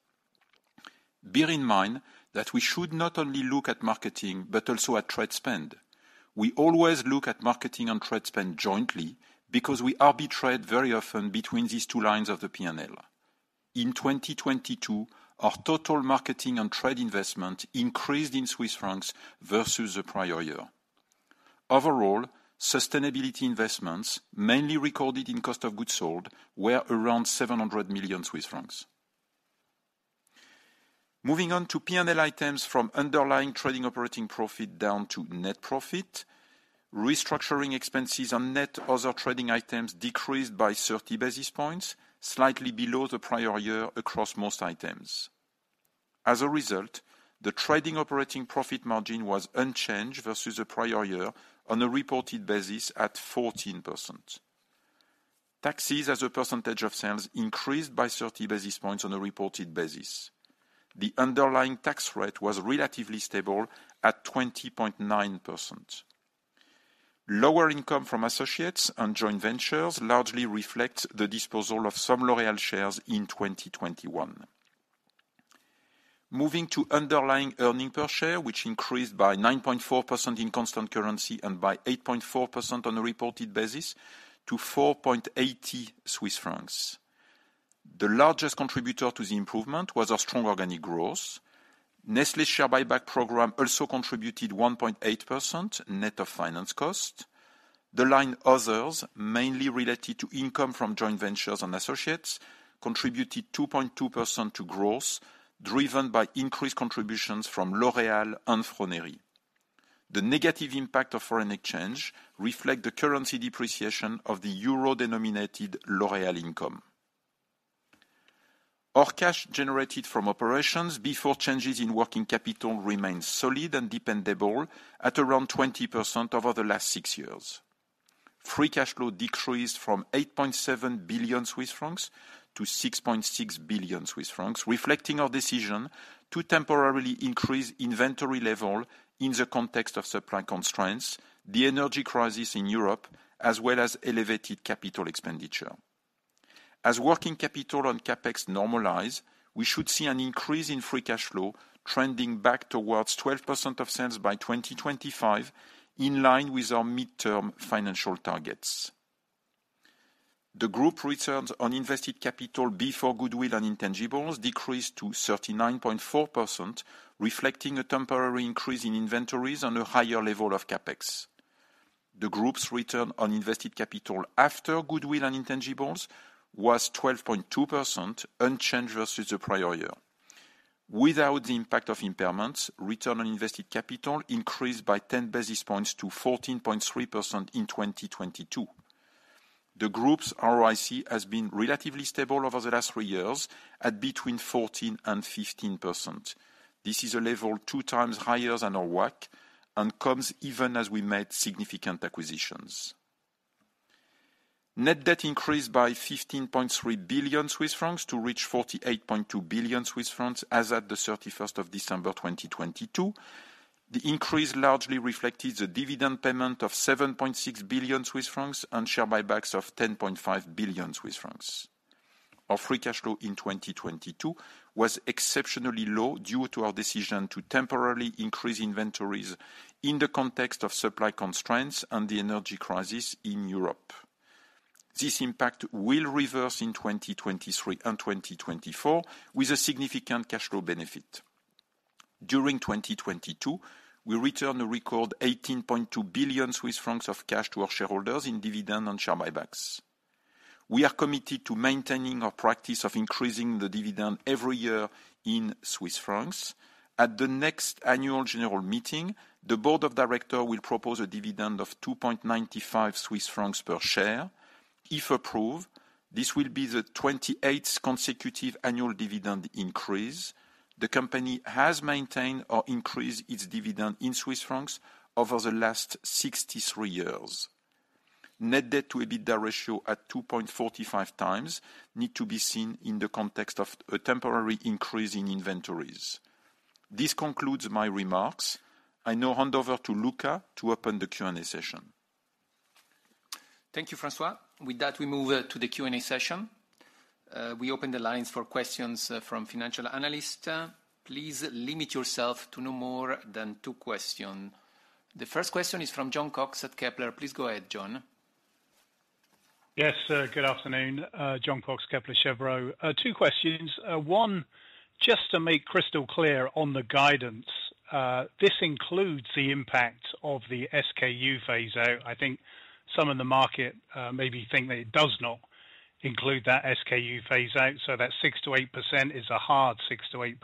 [SPEAKER 3] Bear in mind that we should not only look at marketing, but also at trade spend. We always look at marketing and trade spend jointly because we arbitrate very often between these 2 lines of the P&L. In 2022, our total marketing and trade investment increased in Swiss francs versus the prior year. Overall, sustainability investments, mainly recorded in cost of goods sold, were around 700 million Swiss francs. Moving on to P&L items from underlying trading operating profit down to net profit. Restructuring expenses on net other trading items decreased by 30 basis points, slightly below the prior year across most items. The trading operating profit margin was unchanged versus the prior year on a reported basis at 14%. Taxes as a percentage of sales increased by 30 basis points on a reported basis. The underlying tax rate was relatively stable at 20.9%. Lower income from associates and joint ventures largely reflect the disposal of some L'Oréal shares in 2021. Moving to underlying earnings per share, which increased by 9.4% in constant currency and by 8.4% on a reported basis to 4.80 Swiss francs. The largest contributor to the improvement was our strong organic growth. Nestlé share buyback program also contributed 1.8% net of finance cost. The line others, mainly related to income from joint ventures and associates, contributed 2.2% to growth, driven by increased contributions from L'Oréal and Froneri. The negative impact of foreign exchange reflect the currency depreciation of the euro-denominated L'Oréal income. Our cash generated from operations before changes in working capital remains solid and dependable at around 20% over the last 6 years. Free cash flow decreased from 8.7 billion Swiss francs to 6.6 billion Swiss francs, reflecting our decision to temporarily increase inventory level in the context of supply constraints, the energy crisis in Europe, as well as elevated capital expenditure. As working capital and CapEx normalize, we should see an increase in free cash flow trending back towards 12% of sales by 2025, in line with our midterm financial targets. The group returns on invested capital before goodwill and intangibles decreased to 39.4%, reflecting a temporary increase in inventories on a higher level of CapEx. The group's return on invested capital after goodwill and intangibles was 12.2%, unchanged versus the prior year. Without the impact of impairments, return on invested capital increased by 10 basis points to 14.3% in 2022. The group's ROIC has been relatively stable over the last 3 years at between 14% and 15%. This is a level 2 times higher than our WACC and comes even as we made significant acquisitions. Net debt increased by 15.3 billion Swiss francs to reach 48.2 billion Swiss francs as of the 31st of December 2022. The increase largely reflected the dividend payment of 7.6 billion Swiss francs and share buybacks of 10.5 billion Swiss francs. Our free cash flow in 2022 was exceptionally low due to our decision to temporarily increase inventories in the context of supply constraints and the energy crisis in Europe. This impact will reverse in 2023 and 2024 with a significant cash flow benefit. During 2022, we returned a record 18.2 billion Swiss francs of cash to our shareholders in dividend and share buybacks. We are committed to maintaining our practice of increasing the dividend every year in Swiss francs. At the next annual general meeting, the board of director will propose a dividend of 2.95 Swiss francs per share. If approved, this will be the 28th consecutive annual dividend increase. The company has maintained or increased its dividend in Swiss francs over the last 63 years. Net debt to EBITDA ratio at 2.45 times need to be seen in the context of a temporary increase in inventories. This concludes my remarks. I now hand over to Luca to open the Q&A session.
[SPEAKER 1] Thank you, François. With that, we move to the Q&A session. We open the lines for questions from financial analysts. Please limit yourself to no more than 2 question. The first question is from Jon Cox at Kepler. Please go ahead, Jon.
[SPEAKER 4] Yes, good afternoon. Jon Cox, Kepler Cheuvreux. 2 questions. 1, just to make crystal clear on the guidance, this includes the impact of the SKU phase out. I think some in the market, maybe think that it does not include that SKU phase out. So that 6%-8% is a hard 6%-8%.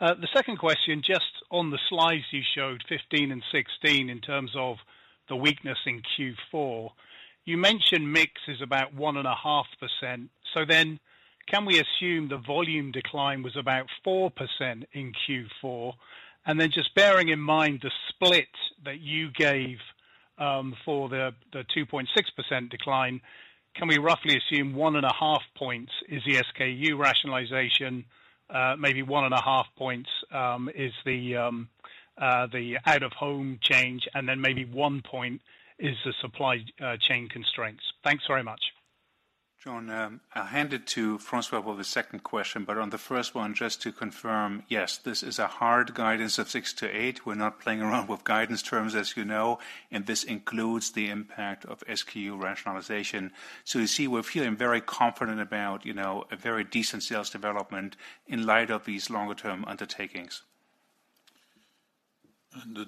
[SPEAKER 4] The second question, just on the slides you showed, 15 and 16, in terms of the weakness in Q4, you mentioned mix is about 1.5%. Can we assume the volume decline was about 4% in Q4? Just bearing in mind the split that you gave, for the 2.6% decline, can we roughly assume 1.5 points is the SKU rationalization, maybe 1.5 points is the out-of-home change, and then maybe 1 point is the supply chain constraints? Thanks very much.
[SPEAKER 3] John, I'll hand it to François for the second question. On the first one, just to confirm, yes, this is a hard guidance of 6%-8%. We're not playing around with guidance terms, as you know, this includes the impact of SKU rationalization. You see, we're feeling very confident about, you know, a very decent sales development in light of these longer-term undertakings.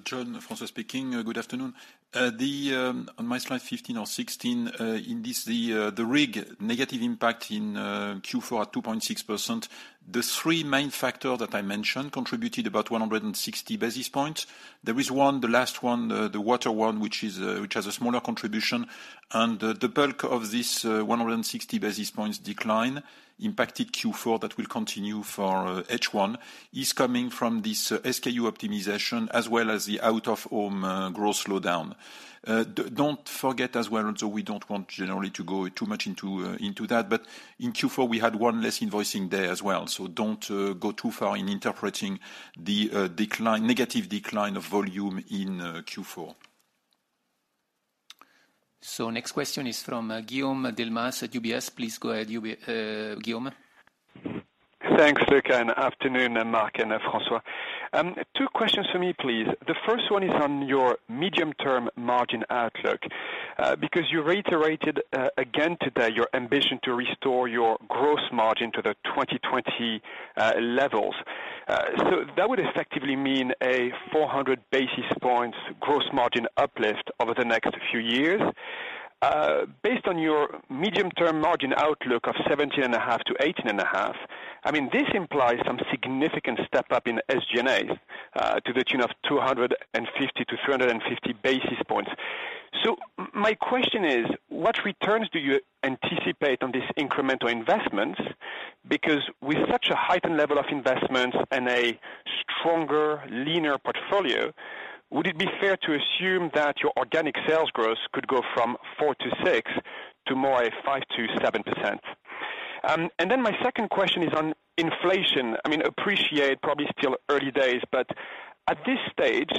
[SPEAKER 3] John, François speaking. Good afternoon. On my slide 15 or 16, in this, the RIG negative impact in Q4 at 2.6%, the 3 main factor that I mentioned contributed about 160 basis points. There is one, the last one, the water one, which has a smaller contribution. The bulk of this 160 basis points decline impacted Q4 that will continue for H1, is coming from this SKU optimization as well as the out-of-home growth slowdown. Don't forget as well, we don't want generally to go too much into that, but in Q4, we had one less invoicing day as well. Don't go too far in interpreting the decline, negative decline of volume in Q4.
[SPEAKER 1] Next question is from Guillaume Delmas at UBS. Please go ahead, Guillaume.
[SPEAKER 5] Thanks, Luca, and afternoon, Mark and François. 2 questions for me, please. The first 1 is on your medium-term margin outlook, because you reiterated again today your ambition to restore your gross margin to the 2020 levels. That would effectively mean a 400 basis points gross margin uplift over the next few years. Based on your medium-term margin outlook of 17.5% to 18.5%, I mean, this implies some significant step-up in SG&A to the tune of 250 to 350 basis points. My question is, what returns do you anticipate on this incremental investment? With such a heightened level of investment and a stronger, leaner portfolio, would it be fair to assume that your organic sales growth could go from 4%-6% to more a 5%-7%? My second question is on inflation. I mean, appreciate probably still early days, but at this stage,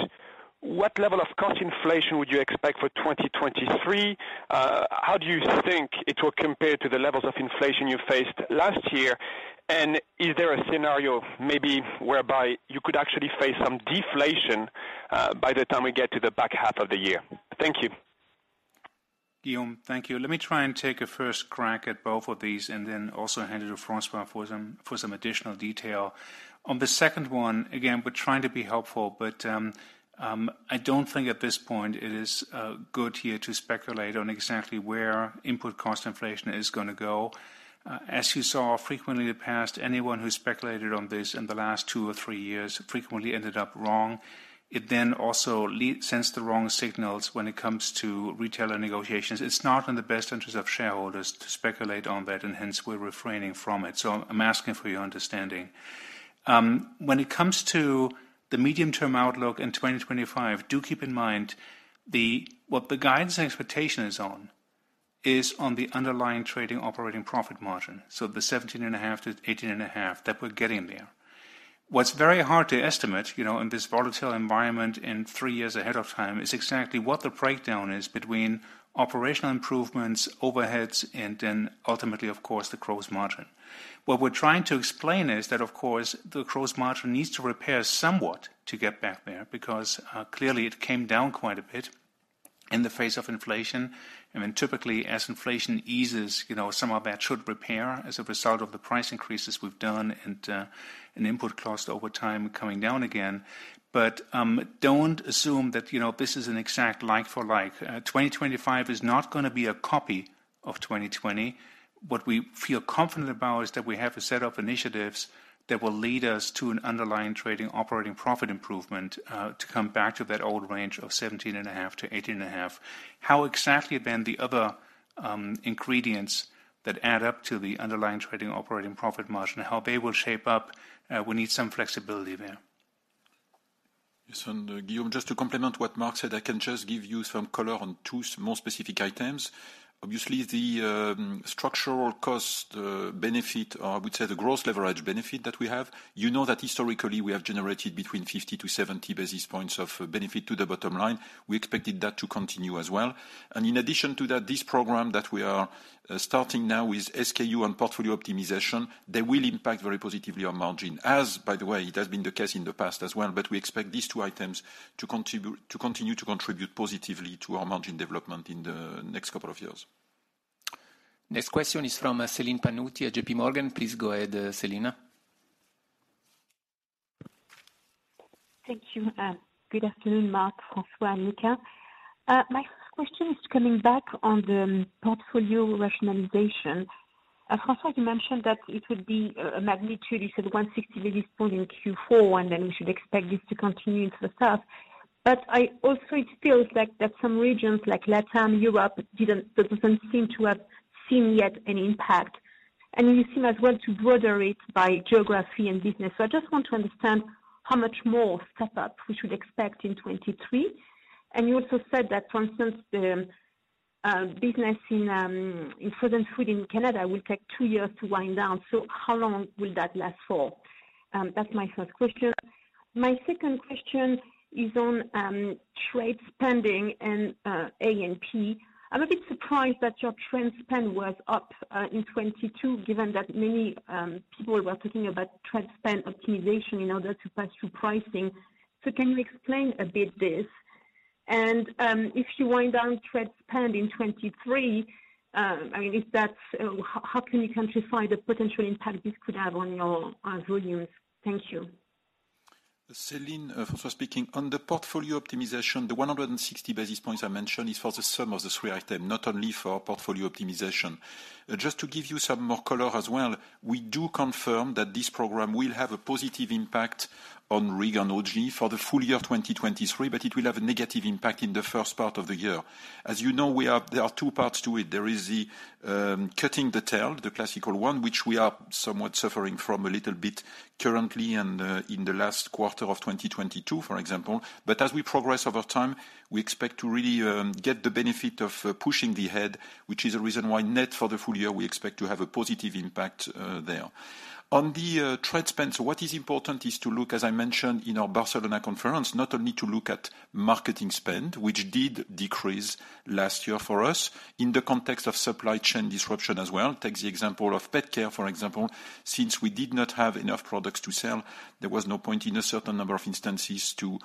[SPEAKER 5] what level of cost inflation would you expect for 2023? How do you think it will compare to the levels of inflation you faced last year? Is there a scenario maybe whereby you could actually face some deflation by the time we get to the back half of the year? Thank you.
[SPEAKER 3] Guillaume, thank you. Let me try and take a first crack at both of these and then also hand it to François for some additional detail. On the second one, again, we're trying to be helpful, but I don't think at this point it is good here to speculate on exactly where input cost inflation is gonna go.
[SPEAKER 2] As you saw frequently in the past, anyone who speculated on this in the last 2 or 3 years frequently ended up wrong. It then also sends the wrong signals when it comes to retailer negotiations. It's not in the best interest of shareholders to speculate on that, and hence we're refraining from it. I'm asking for your understanding. When it comes to the medium-term outlook in 2025, do keep in mind the, what the guidance expectation is on the underlying trading operating profit margin, so the 17.5%-18.5%, that we're getting there. What's very hard to estimate, you know, in this volatile environment and 3 years ahead of time, is exactly what the breakdown is between operational improvements, overheads and then ultimately, of course, the gross margin. What we're trying to explain is that, of course, the gross margin needs to repair somewhat to get back there because, clearly it came down quite a bit in the face of inflation. Typically, as inflation eases, you know, some of that should repair as a result of the price increases we've done and input cost over time coming down again. Don't assume that, you know, this is an exact like for like. 2025 is not gonna be a copy of 2020. What we feel confident about is that we have a set of initiatives that will lead us to an underlying trading operating profit improvement, to come back to that old range of 17.5%-18.5%. How exactly then the other ingredients that add up to the underlying trading operating profit margin, how they will shape up, we need some flexibility there.
[SPEAKER 3] Yes, Guillaume, just to complement what Mark said, I can just give you some color on 2 more specific items. Obviously the structural cost benefit, or I would say the gross leverage benefit that we have, you know that historically we have generated between 50 to 70 basis points of benefit to the bottom line. We expected that to continue as well. In addition to that, this program that we are starting now with SKU and portfolio optimization, they will impact very positively on margin. As, by the way, it has been the case in the past as well, We expect these 2 items to continue to contribute positively to our margin development in the next couple of years.
[SPEAKER 1] Next question is from Celine Pannuti at J.P. Morgan. Please go ahead, Celine.
[SPEAKER 6] Thank you. Good afternoon, Mark, François and Luca. My first question is coming back on the portfolio rationalization. François, you mentioned that it would be a magnitude, you said 160 basis points in Q4, and then we should expect this to continue into the south. I also it feels like that some regions like Latam, Europe doesn't seem to have seen yet an impact. You seem as well to border it by geography and business. I just want to understand how much more step up we should expect in 2023. You also said that, for instance, the business in frozen food business in Canada will take 2 years to wind down. How long will that last for? That's my first question. My second question is on trade spending and A&P. I'm a bit surprised that your trade spend was up in 2022, given that many people were talking about trade spend optimization in order to pass through pricing. Can you explain a bit this? If you wind down trade spend in 2023, I mean, if that's, how can you quantify the potential impact this could have on your volumes? Thank you.
[SPEAKER 3] Celine, François-Xavier Roger speaking. On the portfolio optimization, the 160 basis points I mentioned is for the sum of the 3 items, not only for our portfolio optimization. Just to give you some more color as well, we do confirm that this program will have a positive impact on RIG and OG for the full year 2023, but it will have a negative impact in the first part of the year. As you know, there are 2 parts to it. There is the cutting the tail, the classical one, which we are somewhat suffering from a little bit currently and in the last quarter of 2022, for example. As we progress over time, we expect to really get the benefit of pushing the head, which is the reason why net for the full year we expect to have a positive impact there. On the trade spend, what is important is to look, as I mentioned in our Barcelona conference, not only to look at marketing spend, which did decrease last year for us in the context of supply chain disruption as well. Take the example of pet care, for example. Since we did not have enough products to sell, there was no point in a certain number of instances to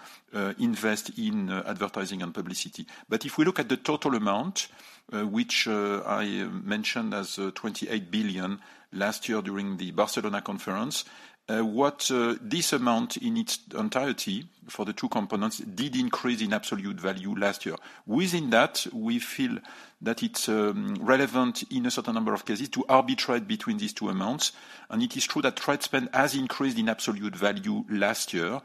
[SPEAKER 3] invest in advertising and publicity. If we look at the total amount, which I mentioned as 28 billion last year during the Barcelona conference, what this amount in its entirety for the 2 components did increase in absolute value last year. Within that, we feel that it's relevant in a certain number of cases to arbitrate between these 2 amounts. It is true that trade spend has increased in absolute value last year.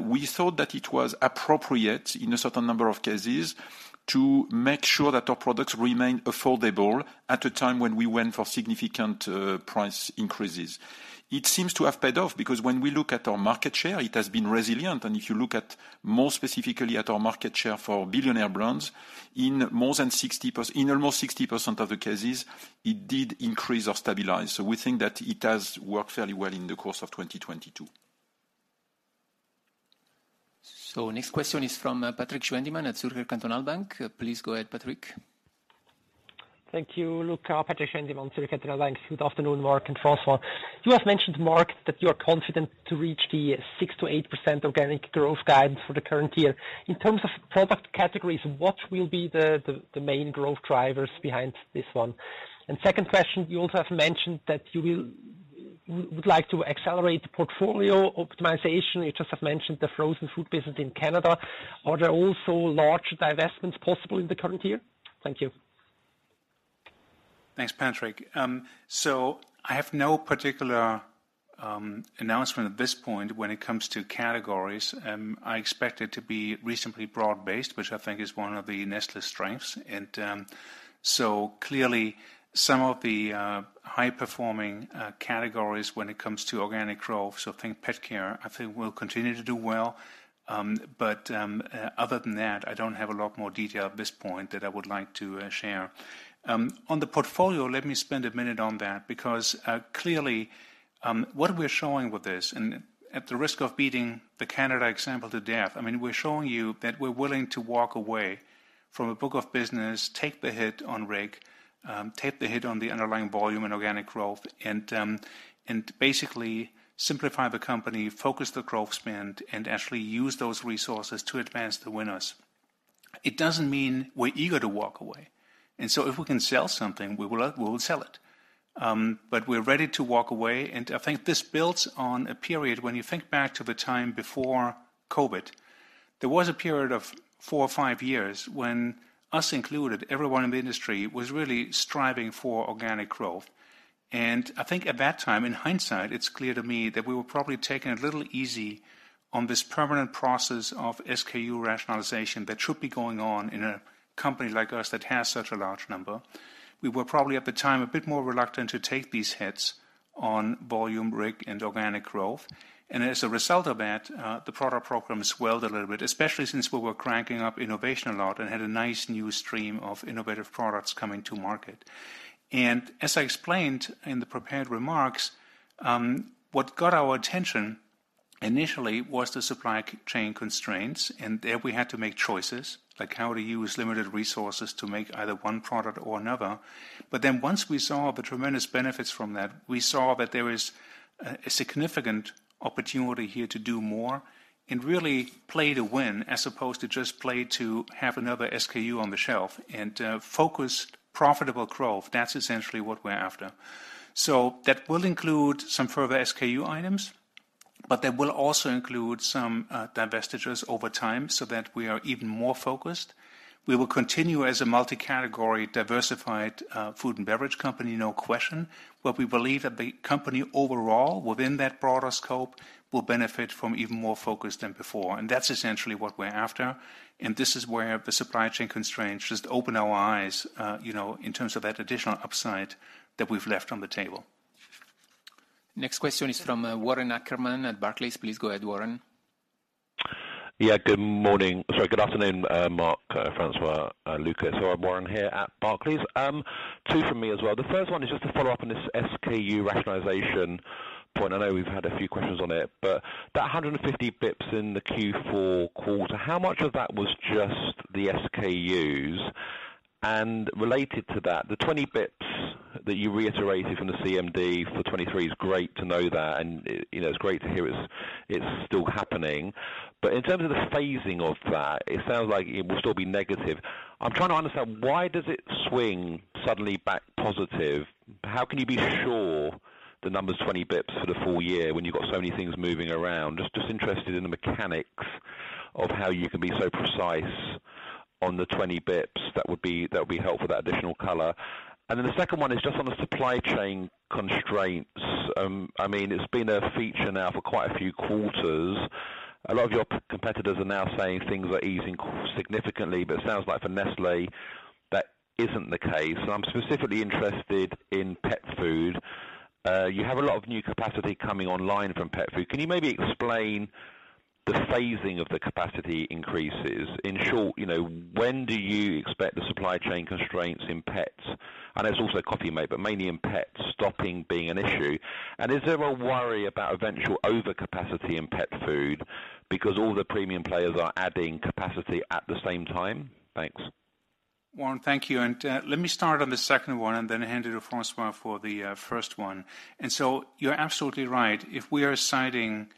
[SPEAKER 3] We thought that it was appropriate in a certain number of cases to make sure that our products remained affordable at a time when we went for significant price increases. It seems to have paid off because when we look at our market share, it has been resilient. If you look at, more specifically at our market share for billionaire brands, in almost 60% of the cases, it did increase or stabilize. We think that it has worked fairly well in the course of 2022.
[SPEAKER 1] Next question is from Patrik Schwendimann at Zürcher Kantonalbank. Please go ahead, Patrick.
[SPEAKER 7] Thank you, Luca. Patrik Schwendimann, Zürcher Kantonalbank. Good afternoon, Mark and Francois. You have mentioned, Mark, that you are confident to reach the 6%-8% organic growth guidance for the current year. In terms of product categories, what will be the main growth drivers behind this one? Second question, you also have mentioned that you will re- Would like to accelerate the portfolio optimization. You just have mentioned the frozen food business in Canada. Are there also large divestments possible in the current year? Thank you.
[SPEAKER 2] Thanks, Patrik. I have no particular announcement at this point when it comes to categories. I expect it to be reasonably broad-based, which I think is one of the Nestlé strengths. Clearly some of the high-performing categories when it comes to organic growth, so think pet care, I think will continue to do well. Other than that, I don't have a lot more detail at this point that I would like to share. On the portfolio, let me spend a minute on that because clearly, what we're showing with this, and at the risk of beating the Canada example to death, I mean, we're showing you that we're willing to walk away from a book of business, take the hit on RIG, take the hit on the underlying volume and organic growth, and basically simplify the company, focus the growth spend, and actually use those resources to advance the winners. It doesn't mean we're eager to walk away, if we can sell something, we will sell it. We're ready to walk away. I think this builds on a period when you think back to the time before COVID, there was a period of 4 or 5 years when, us included, everyone in the industry was really striving for organic growth. I think at that time, in hindsight, it's clear to me that we were probably taking it a little easy on this permanent process of SKU rationalization that should be going on in a company like us that has such a large number. We were probably at the time a bit more reluctant to take these hits on volume RIG and organic growth. As a result of that, the product program swelled a little bit, especially since we were cranking up innovation a lot and had a nice new stream of innovative products coming to market. As I explained in the prepared remarks, what got our attention initially was the supply chain constraints, and there we had to make choices, like how to use limited resources to make either one product or another. Once we saw the tremendous benefits from that, we saw that there is a significant opportunity here to do more and really play to win, as opposed to just play to have another SKU on the shelf. Focused, profitable growth, that's essentially what we're after. That will include some further SKU items, but that will also include some divestitures over time so that we are even more focused. We will continue as a multi-category, diversified food and beverage company, no question. We believe that the company overall within that broader scope will benefit from even more focus than before, and that's essentially what we're after. This is where the supply chain constraints just opened our eyes, you know, in terms of that additional upside that we've left on the table.
[SPEAKER 1] Next question is from Warren Ackerman at Barclays. Please go ahead, Warren.
[SPEAKER 8] Yeah, good morning. Sorry, good afternoon, Mark, François, Luca. Sorry, Warren here at Barclays. 2 from me as well. The first one is just to follow up on this SKU rationalization point. I know we've had a few questions on it, but that 150 basis points in the Q4 quarter, how much of that was just the SKUs? Related to that, the 20 basis points that you reiterated from the CMD for 2023 is great to know that and, you know, it's great to hear it's still happening. In terms of the phasing of that, it sounds like it will still be negative. I'm trying to understand why does it swing suddenly back positive? How can you be sure the number's 20 basis points for the full year when you've got so many things moving around? Just interested in the mechanics of how you can be so precise on the 20 bips. That would be helpful, that additional color. The second one is just on the supply chain constraints. I mean, it's been a feature now for quite a few quarters. A lot of your competitors are now saying things are easing significantly, but it sounds like for Nestlé that isn't the case. I'm specifically interested in pet food. You have a lot of new capacity coming online from pet food. Can you maybe explain the phasing of the capacity increases? In short, you know, when do you expect the supply chain constraints in pets, and there's also coffee maybe, but mainly in pets, stopping being an issue? Is there a worry about eventual overcapacity in pet food because all the premium players are adding capacity at the same time? Thanks.
[SPEAKER 2] Warren, thank you. Let me start on the second one and then hand it to François for the first one. You're absolutely right. If we are citing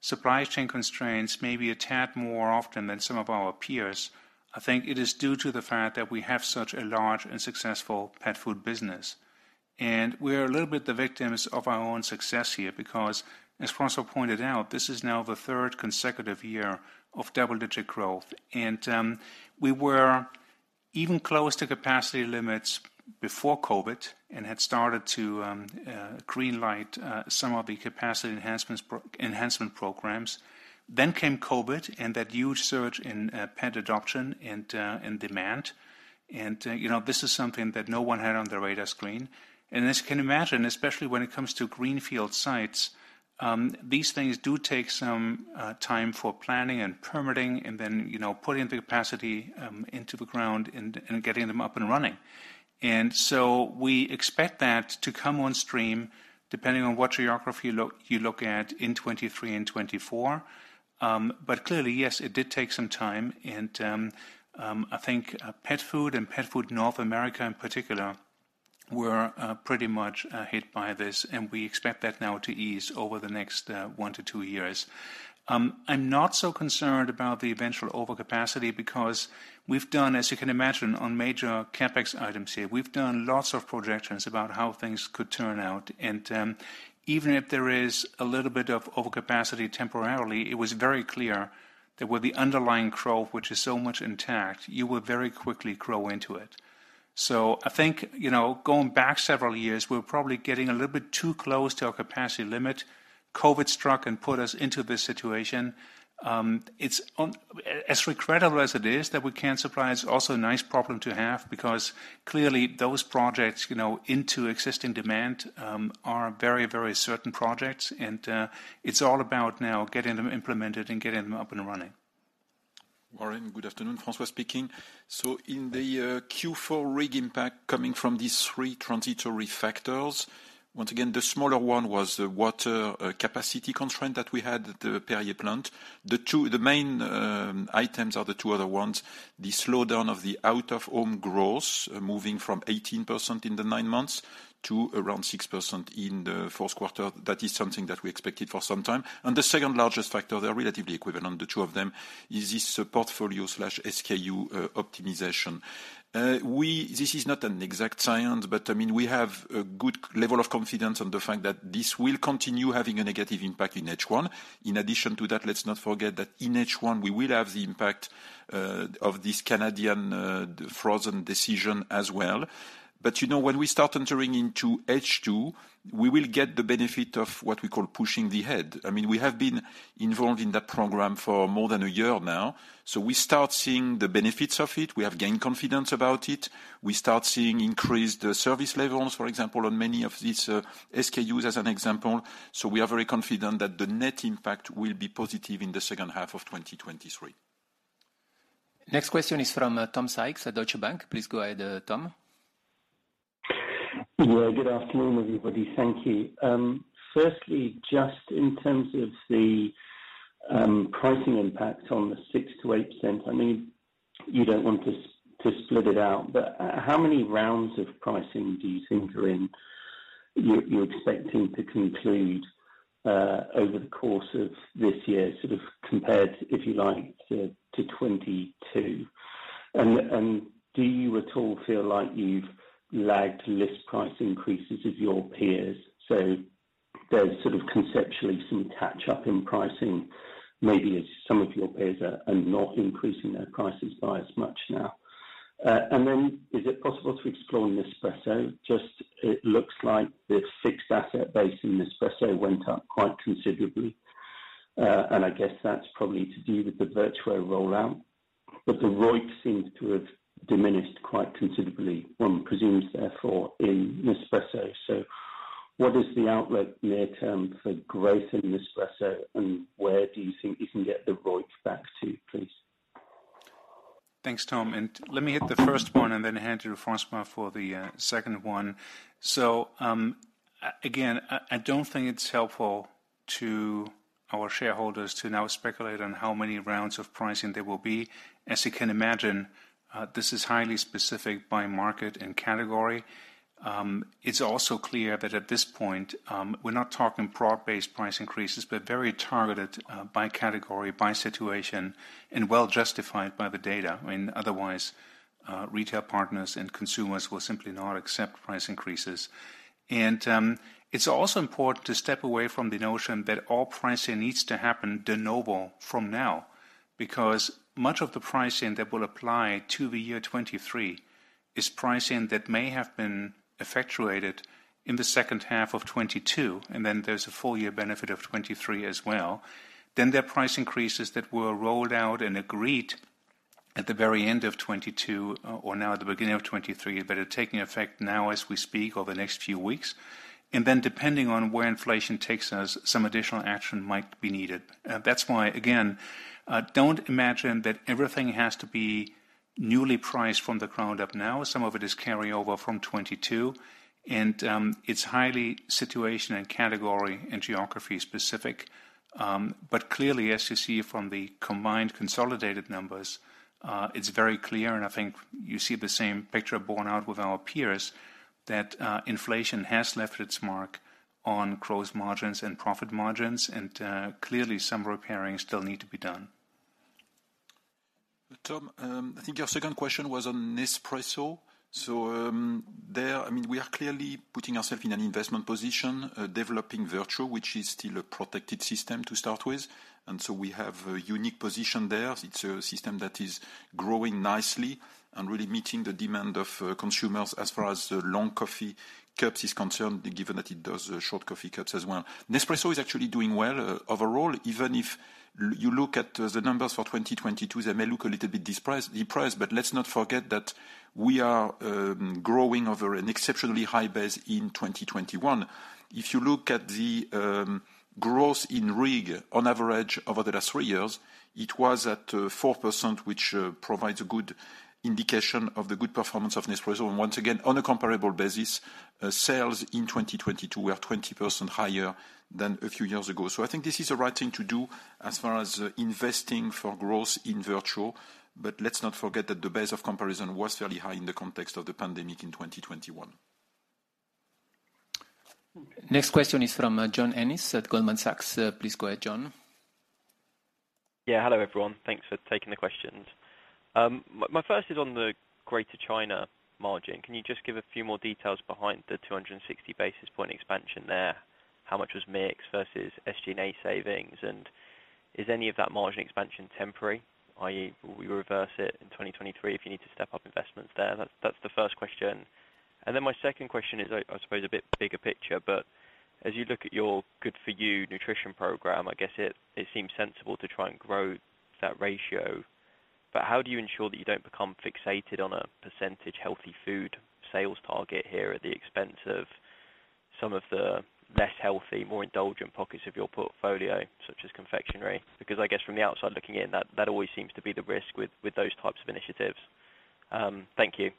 [SPEAKER 2] supply chain constraints maybe a tad more often than some of our peers, I think it is due to the fact that we have such a large and successful pet food business. We're a little bit the victims of our own success here because, as François pointed out, this is now the third consecutive year of double-digit growth. We were even close to capacity limits before COVID and had started to green light some of the capacity enhancement programs. Came COVID and that huge surge in pet adoption and in demand. You know, this is something that no one had on their radar screen. As you can imagine, especially when it comes to greenfield sites, these things do take some time for planning and permitting and then, you know, putting the capacity into the ground and getting them up and running. We expect that to come on stream depending on what geography you look at in 2023 and 2024. Clearly, yes, it did take some time and I think pet food and pet food North America in particular were pretty much hit by this, and we expect that now to ease over the next one to 2 years. I'm not so concerned about the eventual overcapacity because we've done, as you can imagine, on major CapEx items here, we've done lots of projections about how things could turn out. Even if there is a little bit of overcapacity temporarily, it was very clear that with the underlying growth which is so much intact, you would very quickly grow into it. I think, you know, going back several years, we're probably getting a little bit too close to our capacity limit. COVID struck and put us into this situation. It's as regrettable as it is that we can't supply, it's also a nice problem to have because clearly those projects, you know, into existing demand, are very, very certain projects and it's all about now getting them implemented and getting them up and running.
[SPEAKER 3] Warren, good afternoon. François speaking. In the Q4 RIG impact coming from these 3 transitory factors, once again the smaller 1 was the water capacity constraint that we had at the Perrier plant. The main items are the 2 other ones. The slowdown of the out-of-home growth moving from 18% in the 9 months to around 6% in the fourth quarter. That is something that we expected for some time. The second-largest factor, they're relatively equivalent, the 2 of them, is this portfolio/SKU optimization. This is not an exact science, but, I mean, we have a good level of confidence on the fact that this will continue having a negative impact in H1. In addition to that, let's not forget that in H1 we will have the impact of this Canadian frozen decision as well. You know, when we start entering into H2, we will get the benefit of what we call pushing the head. I mean, we have been involved in that program for more than a year now. We start seeing the benefits of it. We have gained confidence about it. We start seeing increased service levels, for example, on many of these SKUs as an example. We are very confident that the net impact will be positive in the second half of 2023.
[SPEAKER 1] Next question is from Tom Sykes at Deutsche Bank. Please go ahead, Tom.
[SPEAKER 9] Well, good afternoon, everybody. Thank you. Firstly, just in terms of the pricing impact on the 6%-8%, I mean, you don't want to split it out, but how many rounds of pricing do you think you're expecting to conclude over the course of this year, sort of compared, if you like, to 2022? Do you at all feel like you've lagged list price increases of your peers? There's sort of conceptually some catch up in pricing, maybe as some of your peers are not increasing their prices by as much now. Is it possible to explore Nespresso? Just it looks like the fixed asset base in Nespresso went up quite considerably. I guess that's probably to do with the Vertuo rollout. The ROIC seems to have diminished quite considerably, one presumes therefore, in Nespresso. What is the outlet near term for growth in Nespresso, and where do you think you can get the ROIC back to, please?
[SPEAKER 2] Thanks, Tom. Let me hit the first one and then hand to Francois for the second one. Again, I don't think it's helpful to our shareholders to now speculate on how many rounds of pricing there will be. As you can imagine, this is highly specific by market and category. It's also clear that at this point, we're not talking broad-based price increases, but very targeted, by category, by situation, and well justified by the data, when otherwise, retail partners and consumers will simply not accept price increases. It's also important to step away from the notion that all pricing needs to happen de novo from now, because much of the pricing that will apply to the year 23 is pricing that may have been effectuated in the second half of 22, and then there's a full year benefit of 23 as well. There are price increases that were rolled out and agreed at the very end of 22, or now at the beginning of 23, but are taking effect now as we speak over the next few weeks. Depending on where inflation takes us, some additional action might be needed. That's why, again, don't imagine that everything has to be newly priced from the ground up now. Some of it is carryover from 22, and it's highly situation and category and geography specific. Clearly, as you see from the combined consolidated numbers, it's very clear and I think you see the same picture borne out with our peers, that inflation has left its mark on growth margins and profit margins, and clearly some repairing still need to be done.
[SPEAKER 3] Tom, I think your second question was on Nespresso. There, I mean, we are clearly putting ourself in an investment position, developing Vertuo, which is still a protected system to start with. We have a unique position there. It's a system that is growing nicely and really meeting the demand of consumers as far as the long coffee cups is concerned, given that it does short coffee cups as well. Nespresso is actually doing well. Overall, even if you look at the numbers for 2022, they may look a little bit depressed, let's not forget that we are growing over an exceptionally high base in 2021. If you look at the growth in RIG on average over the last 3 years, it was at 4%, which provides a good indication of the good performance of Nespresso. Once again, on a comparable basis, sales in 2022 were 20% higher than a few years ago. I think this is the right thing to do as far as investing for growth in Vertuo. Let's not forget that the base of comparison was fairly high in the context of the pandemic in 2021.
[SPEAKER 1] Next question is from John Ennis at Goldman Sachs. Please go ahead, John.
[SPEAKER 10] Hello, everyone. Thanks for taking the questions. My first is on the Greater China margin. Can you just give a few more details behind the 260 basis point expansion there? How much was mix versus SG&A savings? Is any of that margin expansion temporary, i.e., will you reverse it in 2023 if you need to step up investments there? That's the first question. My second question is, I suppose, a bit bigger picture, but as you look at your Good For You nutrition program, I guess it seems sensible to try to grow that ratio. How do you ensure that you don't become fixated on a % healthy food sales target here at the expense of some of the less healthy, more indulgent pockets of your portfolio, such as confectionery? I guess from the outside looking in, that always seems to be the risk with those types of initiatives. Thank you.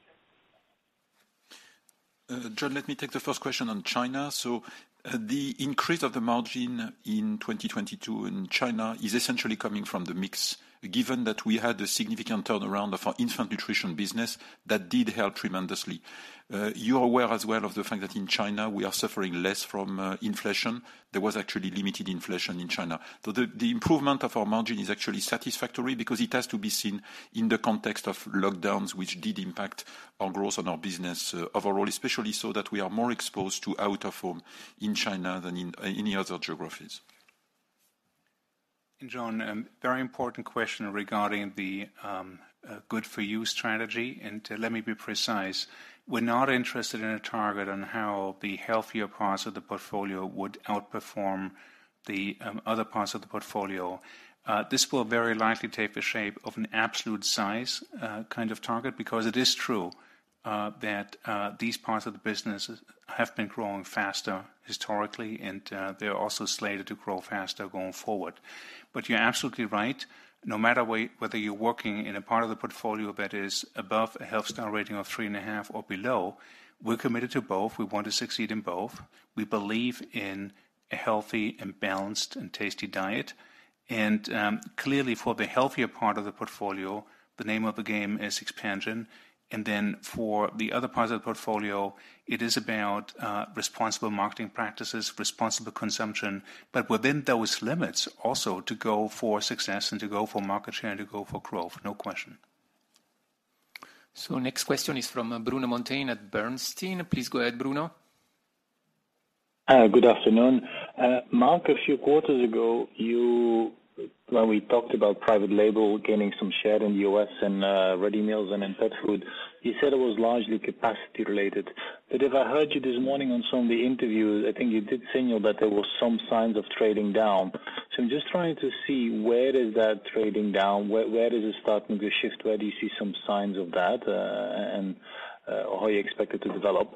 [SPEAKER 3] Jon, let me take the first question on China. The increase of the margin in 2022 in China is essentially coming from the mix. Given that we had a significant turnaround of our infant nutrition business, that did help tremendously. You're aware as well of the fact that in China we are suffering less from inflation. There was actually limited inflation in China. The improvement of our margin is actually satisfactory because it has to be seen in the context of lockdowns, which did impact our growth on our business overall, especially so that we are more exposed to out of home in China than in any other geographies.
[SPEAKER 2] John, very important question regarding the Good For You strategy. Let me be precise. We're not interested in a target on how the healthier parts of the portfolio would outperform the other parts of the portfolio. This will very likely take the shape of an absolute size kind of target, because it is true that these parts of the business have been growing faster historically, they're also slated to grow faster going forward. You're absolutely right. Whether you're working in a part of the portfolio that is above a Health Star Rating of 3.5 or below, we're committed to both. We want to succeed in both. We believe in a healthy and balanced and tasty diet. Clearly for the healthier part of the portfolio, the name of the game is expansion. For the other parts of the portfolio, it is about responsible marketing practices, responsible consumption, but within those limits also to go for success and to go for market share and to go for growth, no question.
[SPEAKER 1] Next question is from Bruno Monteyne at Bernstein. Please go ahead, Bruno.
[SPEAKER 11] Good afternoon. Mark, a few quarters ago, when we talked about private label gaining some share in the U.S. and ready meals and in pet food, you said it was largely capacity related. If I heard you this morning on some of the interviews, I think you did signal that there was some signs of trading down. I'm just trying to see where does that trading down, where does it start in the shift? Where do you see some signs of that, and or how you expect it to develop?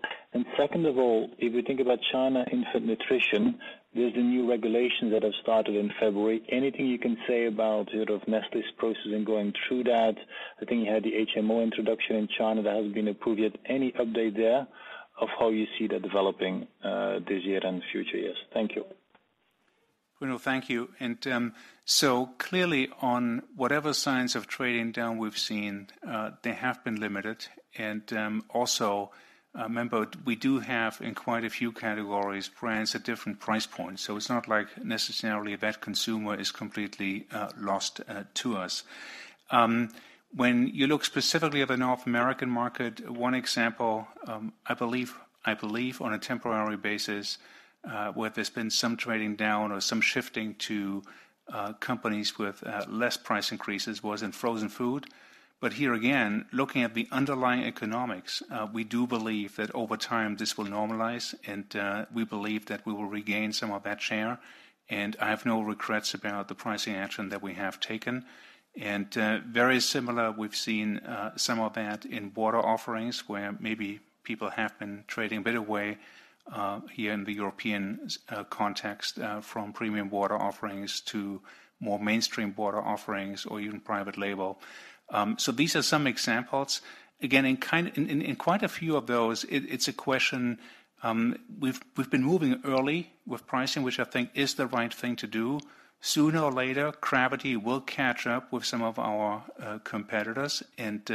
[SPEAKER 11] Second of all, if you think about China infant nutrition, there's the new regulations that have started in February. Anything you can say about sort of Nestlé's process in going through that? I think you had the HMO introduction in China that hasn't been approved yet. Any update there of how you see that developing this year and future years? Thank you.
[SPEAKER 2] Bruno, thank you. Clearly on whatever signs of trading down we've seen, they have been limited. Also remember, we do have in quite a few categories, brands at different price points. It's not like necessarily a bad consumer is completely lost to us. When you look specifically at the North American market, one example, I believe, I believe on a temporary basis, where there's been some trading down or some shifting to companies with less price increases was in frozen food. Here again, looking at the underlying economics, we do believe that over time this will normalize, and we believe that we will regain some of that share. I have no regrets about the pricing action that we have taken. Very similar, we've seen some of that in water offerings, where maybe people have been trading a bit away, here in the European context, from premium water offerings to more mainstream water offerings or even private label. These are some examples. Again, in quite a few of those, it's a question. We've been moving early with pricing, which I think is the right thing to do. Sooner or later, gravity will catch up with some of our competitors, and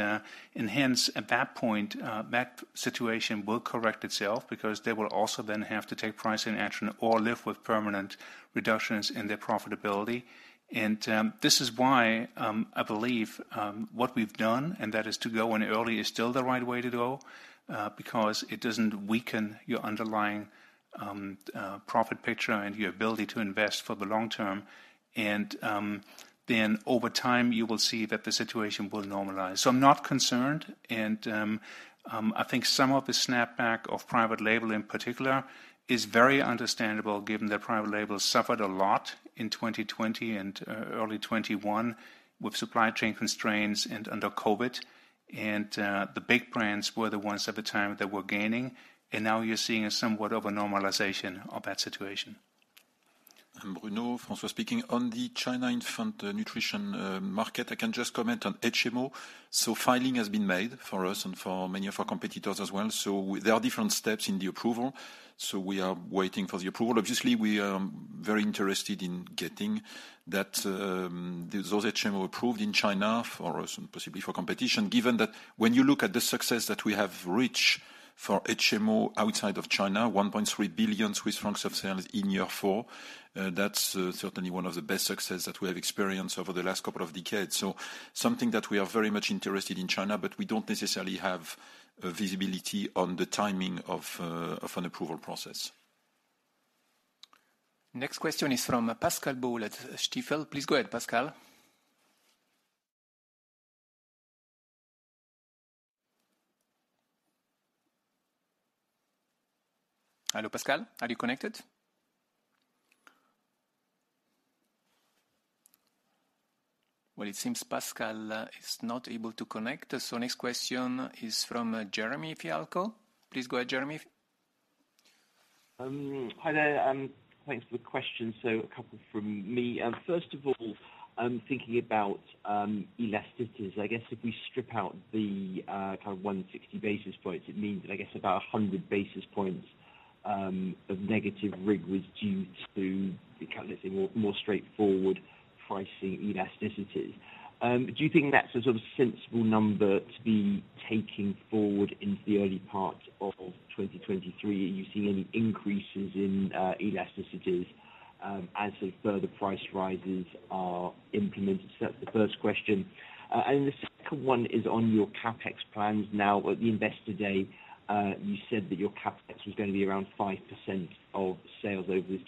[SPEAKER 2] hence at that point, that situation will correct itself because they will also then have to take pricing action or live with permanent reductions in their profitability. This is why, I believe, what we've done, and that is to go in early, is still the right way to go, because it doesn't weaken your underlying profit picture and your ability to invest for the long term. Then over time, you will see that the situation will normalize. I'm not concerned. I think some of the snapback of private label in particular is very understandable given that private labels suffered a lot in 2020 and early 2021 with supply chain constraints and under COVID. The big brands were the ones at the time that were gaining, and now you're seeing a somewhat of a normalization of that situation.
[SPEAKER 3] I'm Bruno, François speaking. On the China infant nutrition market, I can just comment on HMO. Filing has been made for us and for many of our competitors as well. There are different steps in the approval, so we are waiting for the approval. Obviously, we are very interested in getting that, those HMO approved in China for us and possibly for competition. Given that when you look at the success that we have reached for HMO outside of China, 1.3 billion Swiss francs of sales in year 4, that's certainly one of the best success that we have experienced over the last couple of decades. Something that we are very much interested in China, but we don't necessarily have visibility on the timing of an approval process.
[SPEAKER 1] Next question is from Pascal Boll at Stifel. Please go ahead, Pascal. Hello, Pascal, are you connected? It seems Pascal is not able to connect. Next question is from Jeremy Fialko. Please go ahead, Jeremy.
[SPEAKER 12] Hi there, thanks for the questions, so a couple from me. First of all, I'm thinking about elasticities. I guess if we strip out the kind of 160 basis points, it means that I guess about 100 basis points of negative RIG was due to the kind of say, more, more straightforward pricing elasticities. Do you think that's a sort of sensible number to be taking forward into the early part of 2023? Are you seeing any increases in elasticities as the further price rises are implemented? That's the first question. The second one is on your CapEx plans now. At the investor day, you said that your CapEx was gonna be around 5% of sales over the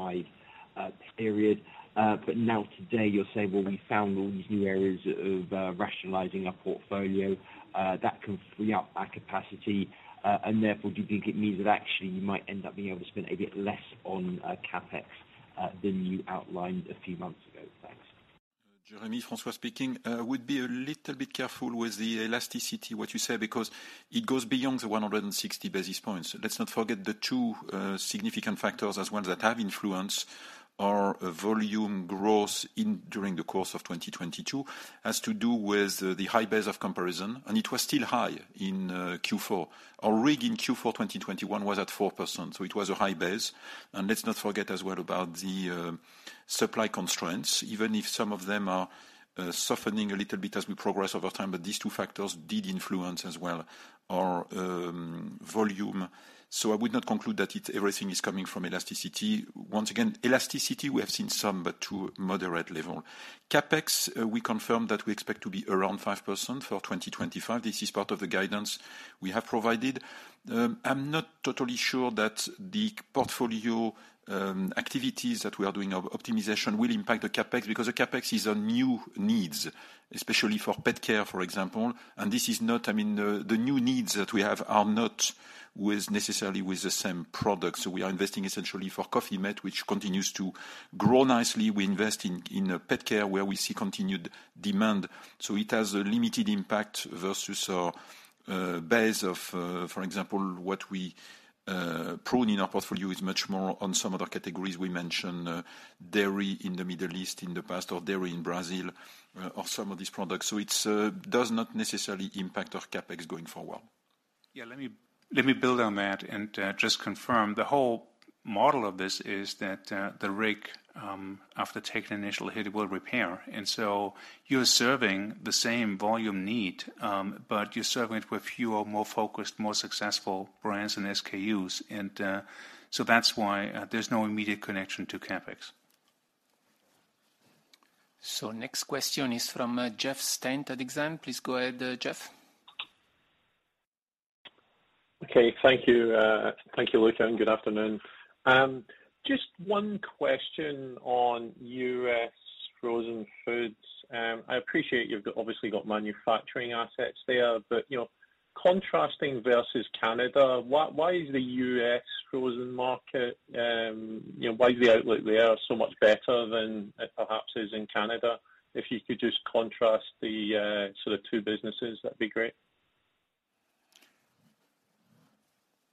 [SPEAKER 12] 2023-2025 period. Now today you're saying, "Well, we found all these new areas of rationalizing our portfolio that can free up our capacity." Therefore, do you think it means that actually you might end up being able to spend a bit less on CapEx than you outlined a few months ago? Thanks.
[SPEAKER 3] Jeremy, François speaking. Would be a little bit careful with the elasticity what you say, because it goes beyond the 160 basis points. Let's not forget the 2 significant factors as ones that have influence are volume growth during the course of 2022, has to do with the high base of comparison, and it was still high in Q4. Our RIG in Q4 2021 was at 4%, so it was a high base. Let's not forget as well about the supply constraints, even if some of them are softening a little bit as we progress over time, but these 2 factors did influence as well our volume. I would not conclude that everything is coming from elasticity. Once again, elasticity, we have seen some, but to moderate level. CapEx, we confirm that we expect to be around 5% for 2025. This is part of the guidance we have provided. I'm not totally sure that the portfolio activities that we are doing of optimization will impact the CapEx, because the CapEx is on new needs, especially for pet care, for example, and this is not. I mean, the new needs that we have are not with, necessarily with the same product. We are investing essentially for Coffee-mate, which continues to grow nicely. We invest in pet care where we see continued demand. It has a limited impact versus our base of, for example, what we prune in our portfolio is much more on some other categories we mentioned, dairy in the Middle East in the past or dairy in Brazil, or some of these products. It's does not necessarily impact our CapEx going forward.
[SPEAKER 2] Yeah, let me build on that and just confirm. The whole model of this is that the RIG, after taking initial hit, it will repair. You're serving the same volume need, but you're serving it with fewer, more focused, more successful brands and SKUs. That's why there's no immediate connection to CapEx.
[SPEAKER 1] Next question is from Jeff Stent at Exane. Please go ahead, Jeff.
[SPEAKER 13] Okay, thank you, thank you, Luca, and good afternoon. Just one question on U.S. frozen foods. I appreciate you've got obviously got manufacturing assets there, but, you know, contrasting versus Canada, why is the U.S. frozen market, you know, why is the outlet there so much better than it perhaps is in Canada? If you could just contrast the sort of 2 businesses, that'd be great.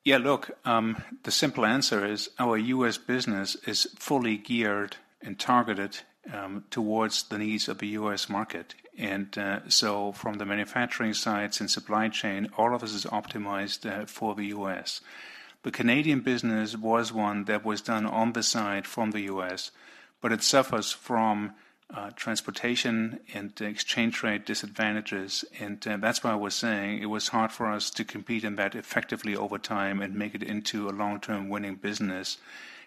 [SPEAKER 2] Yeah, look, the simple answer is our U.S. business is fully geared and targeted towards the needs of the U.S. market. From the manufacturing sides and supply chain, all of this is optimized for the U.S. The Canadian business was one that was done on the side from the U.S., but it suffers from transportation and exchange rate disadvantages. That's why I was saying it was hard for us to compete in that effectively over time and make it into a long-term winning business.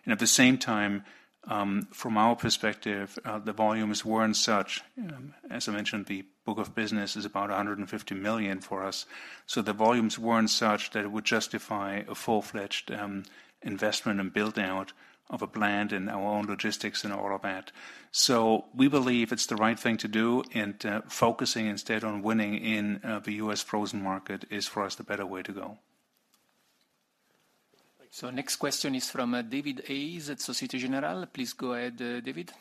[SPEAKER 2] At the same time, from our perspective, the volumes weren't such, as I mentioned, the book of business is about 150 million for us. The volumes weren't such that it would justify a full-fledged, investment and build out of a plant and our own logistics and all of that. We believe it's the right thing to do, and focusing instead on winning in the U.S. frozen market is, for us, the better way to go.
[SPEAKER 1] Next question is from David Hayes at Societe Generale. Please go ahead, David.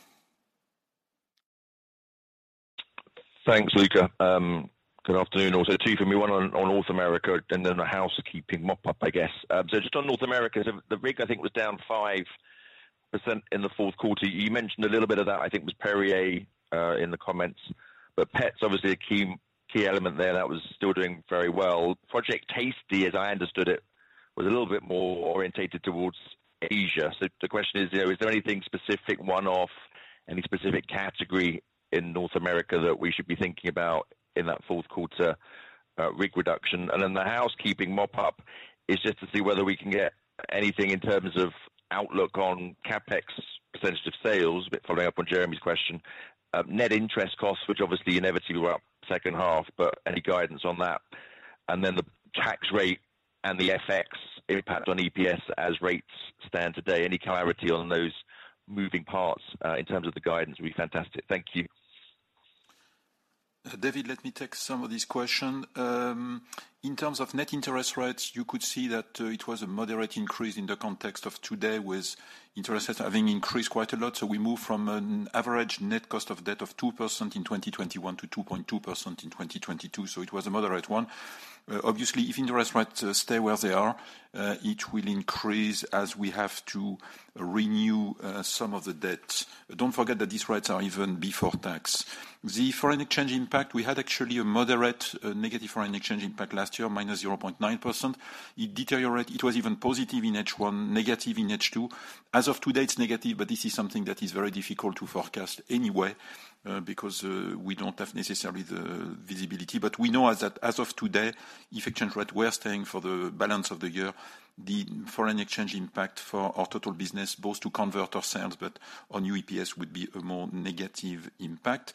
[SPEAKER 14] Thanks, Luca. Good afternoon also to you. From me, one on North America and then a housekeeping mop up, I guess. Just on North America, the RIG, I think, was down 5% in the fourth quarter. You mentioned a little bit of that, I think it was Perrier in the comments. Pets obviously a key element there that was still doing very well. Project TASTY, as I understood it, was a little bit more orientated towards Asia. The question is, you know, is there anything specific one-off, any specific category in North America that we should be thinking about in that fourth quarter RIG reduction? The housekeeping mop up is just to see whether we can get anything in terms of outlook on CapEx % of sales, a bit following up on Jeremy's question. Net interest costs, which obviously inevitably were up second half, but any guidance on that. Then the tax rate and the FX impact on EPS as rates stand today. Any clarity on those moving parts in terms of the guidance would be fantastic. Thank you.
[SPEAKER 3] David, let me take some of this question. In terms of net interest rates, you could see that it was a moderate increase in the context of today with interest rates having increased quite a lot, so we moved from an average net cost of debt of 2% in 2021 to 2.2% in 2022, so it was a moderate one. Obviously, if interest rates stay where they are, it will increase as we have to renew some of the debt. Don't forget that these rates are even before tax. The foreign exchange impact, we had actually a moderate negative foreign exchange impact last year, minus 0.9%. It deteriorated. It was even positive in H1, negative in H2. As of today, it's negative, but this is something that is very difficult to forecast anyway, because we don't have necessarily the visibility. We know as that, as of today, if exchange rate were staying for the balance of the year, the foreign exchange impact for our total business, both to convert our sales but on new EPS, would be a more negative impact.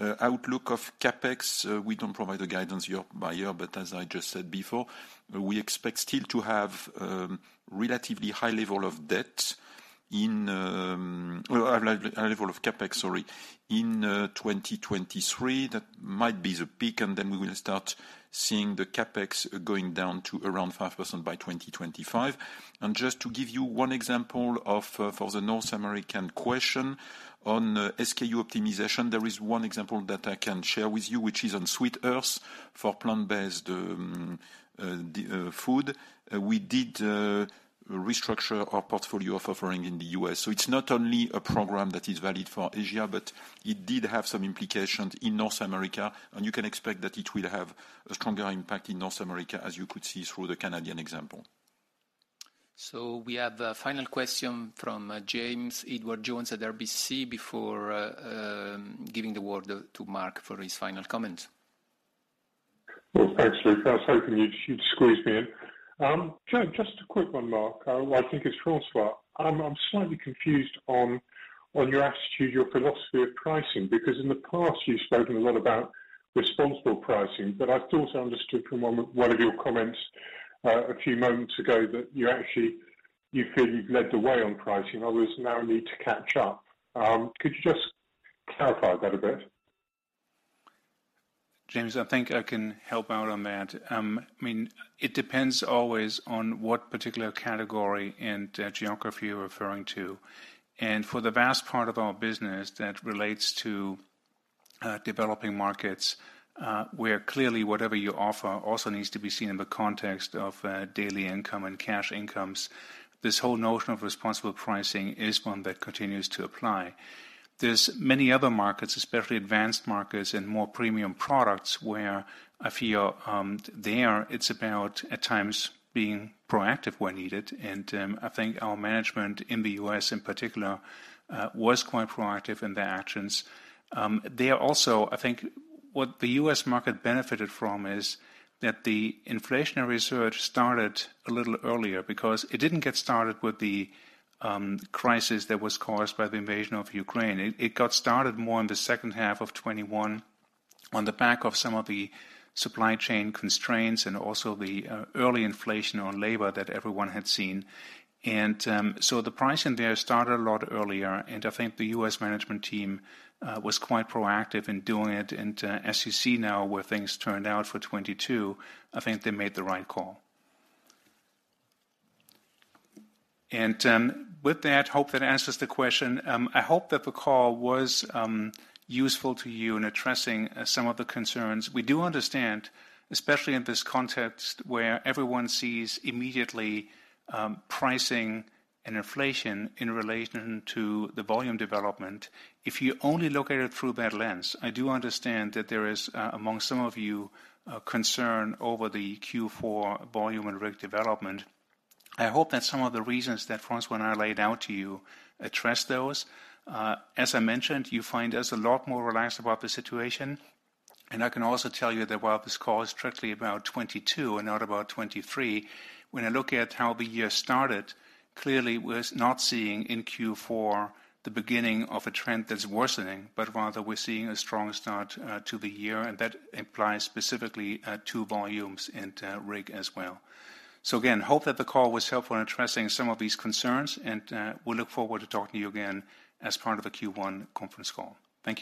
[SPEAKER 3] Outlook of CapEx, we don't provide a guidance year by year, but as I just said before, we expect still to have relatively high level of CapEx, sorry, in 2023. That might be the peak, and then we will start seeing the CapEx going down to around 5% by 2025. Just to give you one example of, for the North American question on SKU optimization, there is one example that I can share with you, which is on Sweet Earth for plant-based food. We did restructure our portfolio offering in the U.S. It's not only a program that is valid for Asia, but it did have some implications in North America, and you can expect that it will have a stronger impact in North America, as you could see through the Canadian example.
[SPEAKER 1] We have a final question from James Edwardes Jones at RBC before giving the word to Mark for his final comments.
[SPEAKER 15] Well, thanks, Luca. I was hoping you'd squeeze me in. Just a quick one, Mark. Well, I think it's François. I'm slightly confused on your attitude, your philosophy of pricing, because in the past, you've spoken a lot about responsible pricing. I thought I understood from one of your comments, a few moments ago that you actually, you feel you've led the way on pricing. Others now need to catch up. Could you just clarify that a bit?
[SPEAKER 2] James, I think I can help out on that. I mean, it depends always on what particular category and geography you're referring to. For the vast part of our business that relates to developing markets, where clearly whatever you offer also needs to be seen in the context of daily income and cash incomes, this whole notion of responsible pricing is one that continues to apply. There's many other markets, especially advanced markets and more premium products, where I feel, there it's about, at times, being proactive where needed. I think our management in the U.S. in particular, was quite proactive in their actions. They are also, I think, what the U.S. market benefited from is that the inflationary surge started a little earlier because it didn't get started with the crisis that was caused by the invasion of Ukraine. It got started more in the second half of 2021 on the back of some of the supply chain constraints and also the early inflation on labor that everyone had seen. The pricing there started a lot earlier, and I think the U.S. management team was quite proactive in doing it. As you see now where things turned out for 2022, I think they made the right call. With that, hope that answers the question. I hope that the call was useful to you in addressing some of the concerns. We do understand, especially in this context where everyone sees immediately, pricing and inflation in relation to the volume development, if you only look at it through that lens, I do understand that there is among some of you, a concern over the Q4 volume and RIG development. I hope that some of the reasons that Francois and I laid out to you address those. As I mentioned, you find us a lot more relaxed about the situation. I can also tell you that while this call is strictly about 22 and not about 23, when I look at how the year started, clearly was not seeing in Q4 the beginning of a trend that's worsening, but rather we're seeing a strong start to the year, and that applies specifically to volumes and RIG as well. Again, hope that the call was helpful in addressing some of these concerns. We look forward to talking to you again as part of the Q1 conference call. Thank you.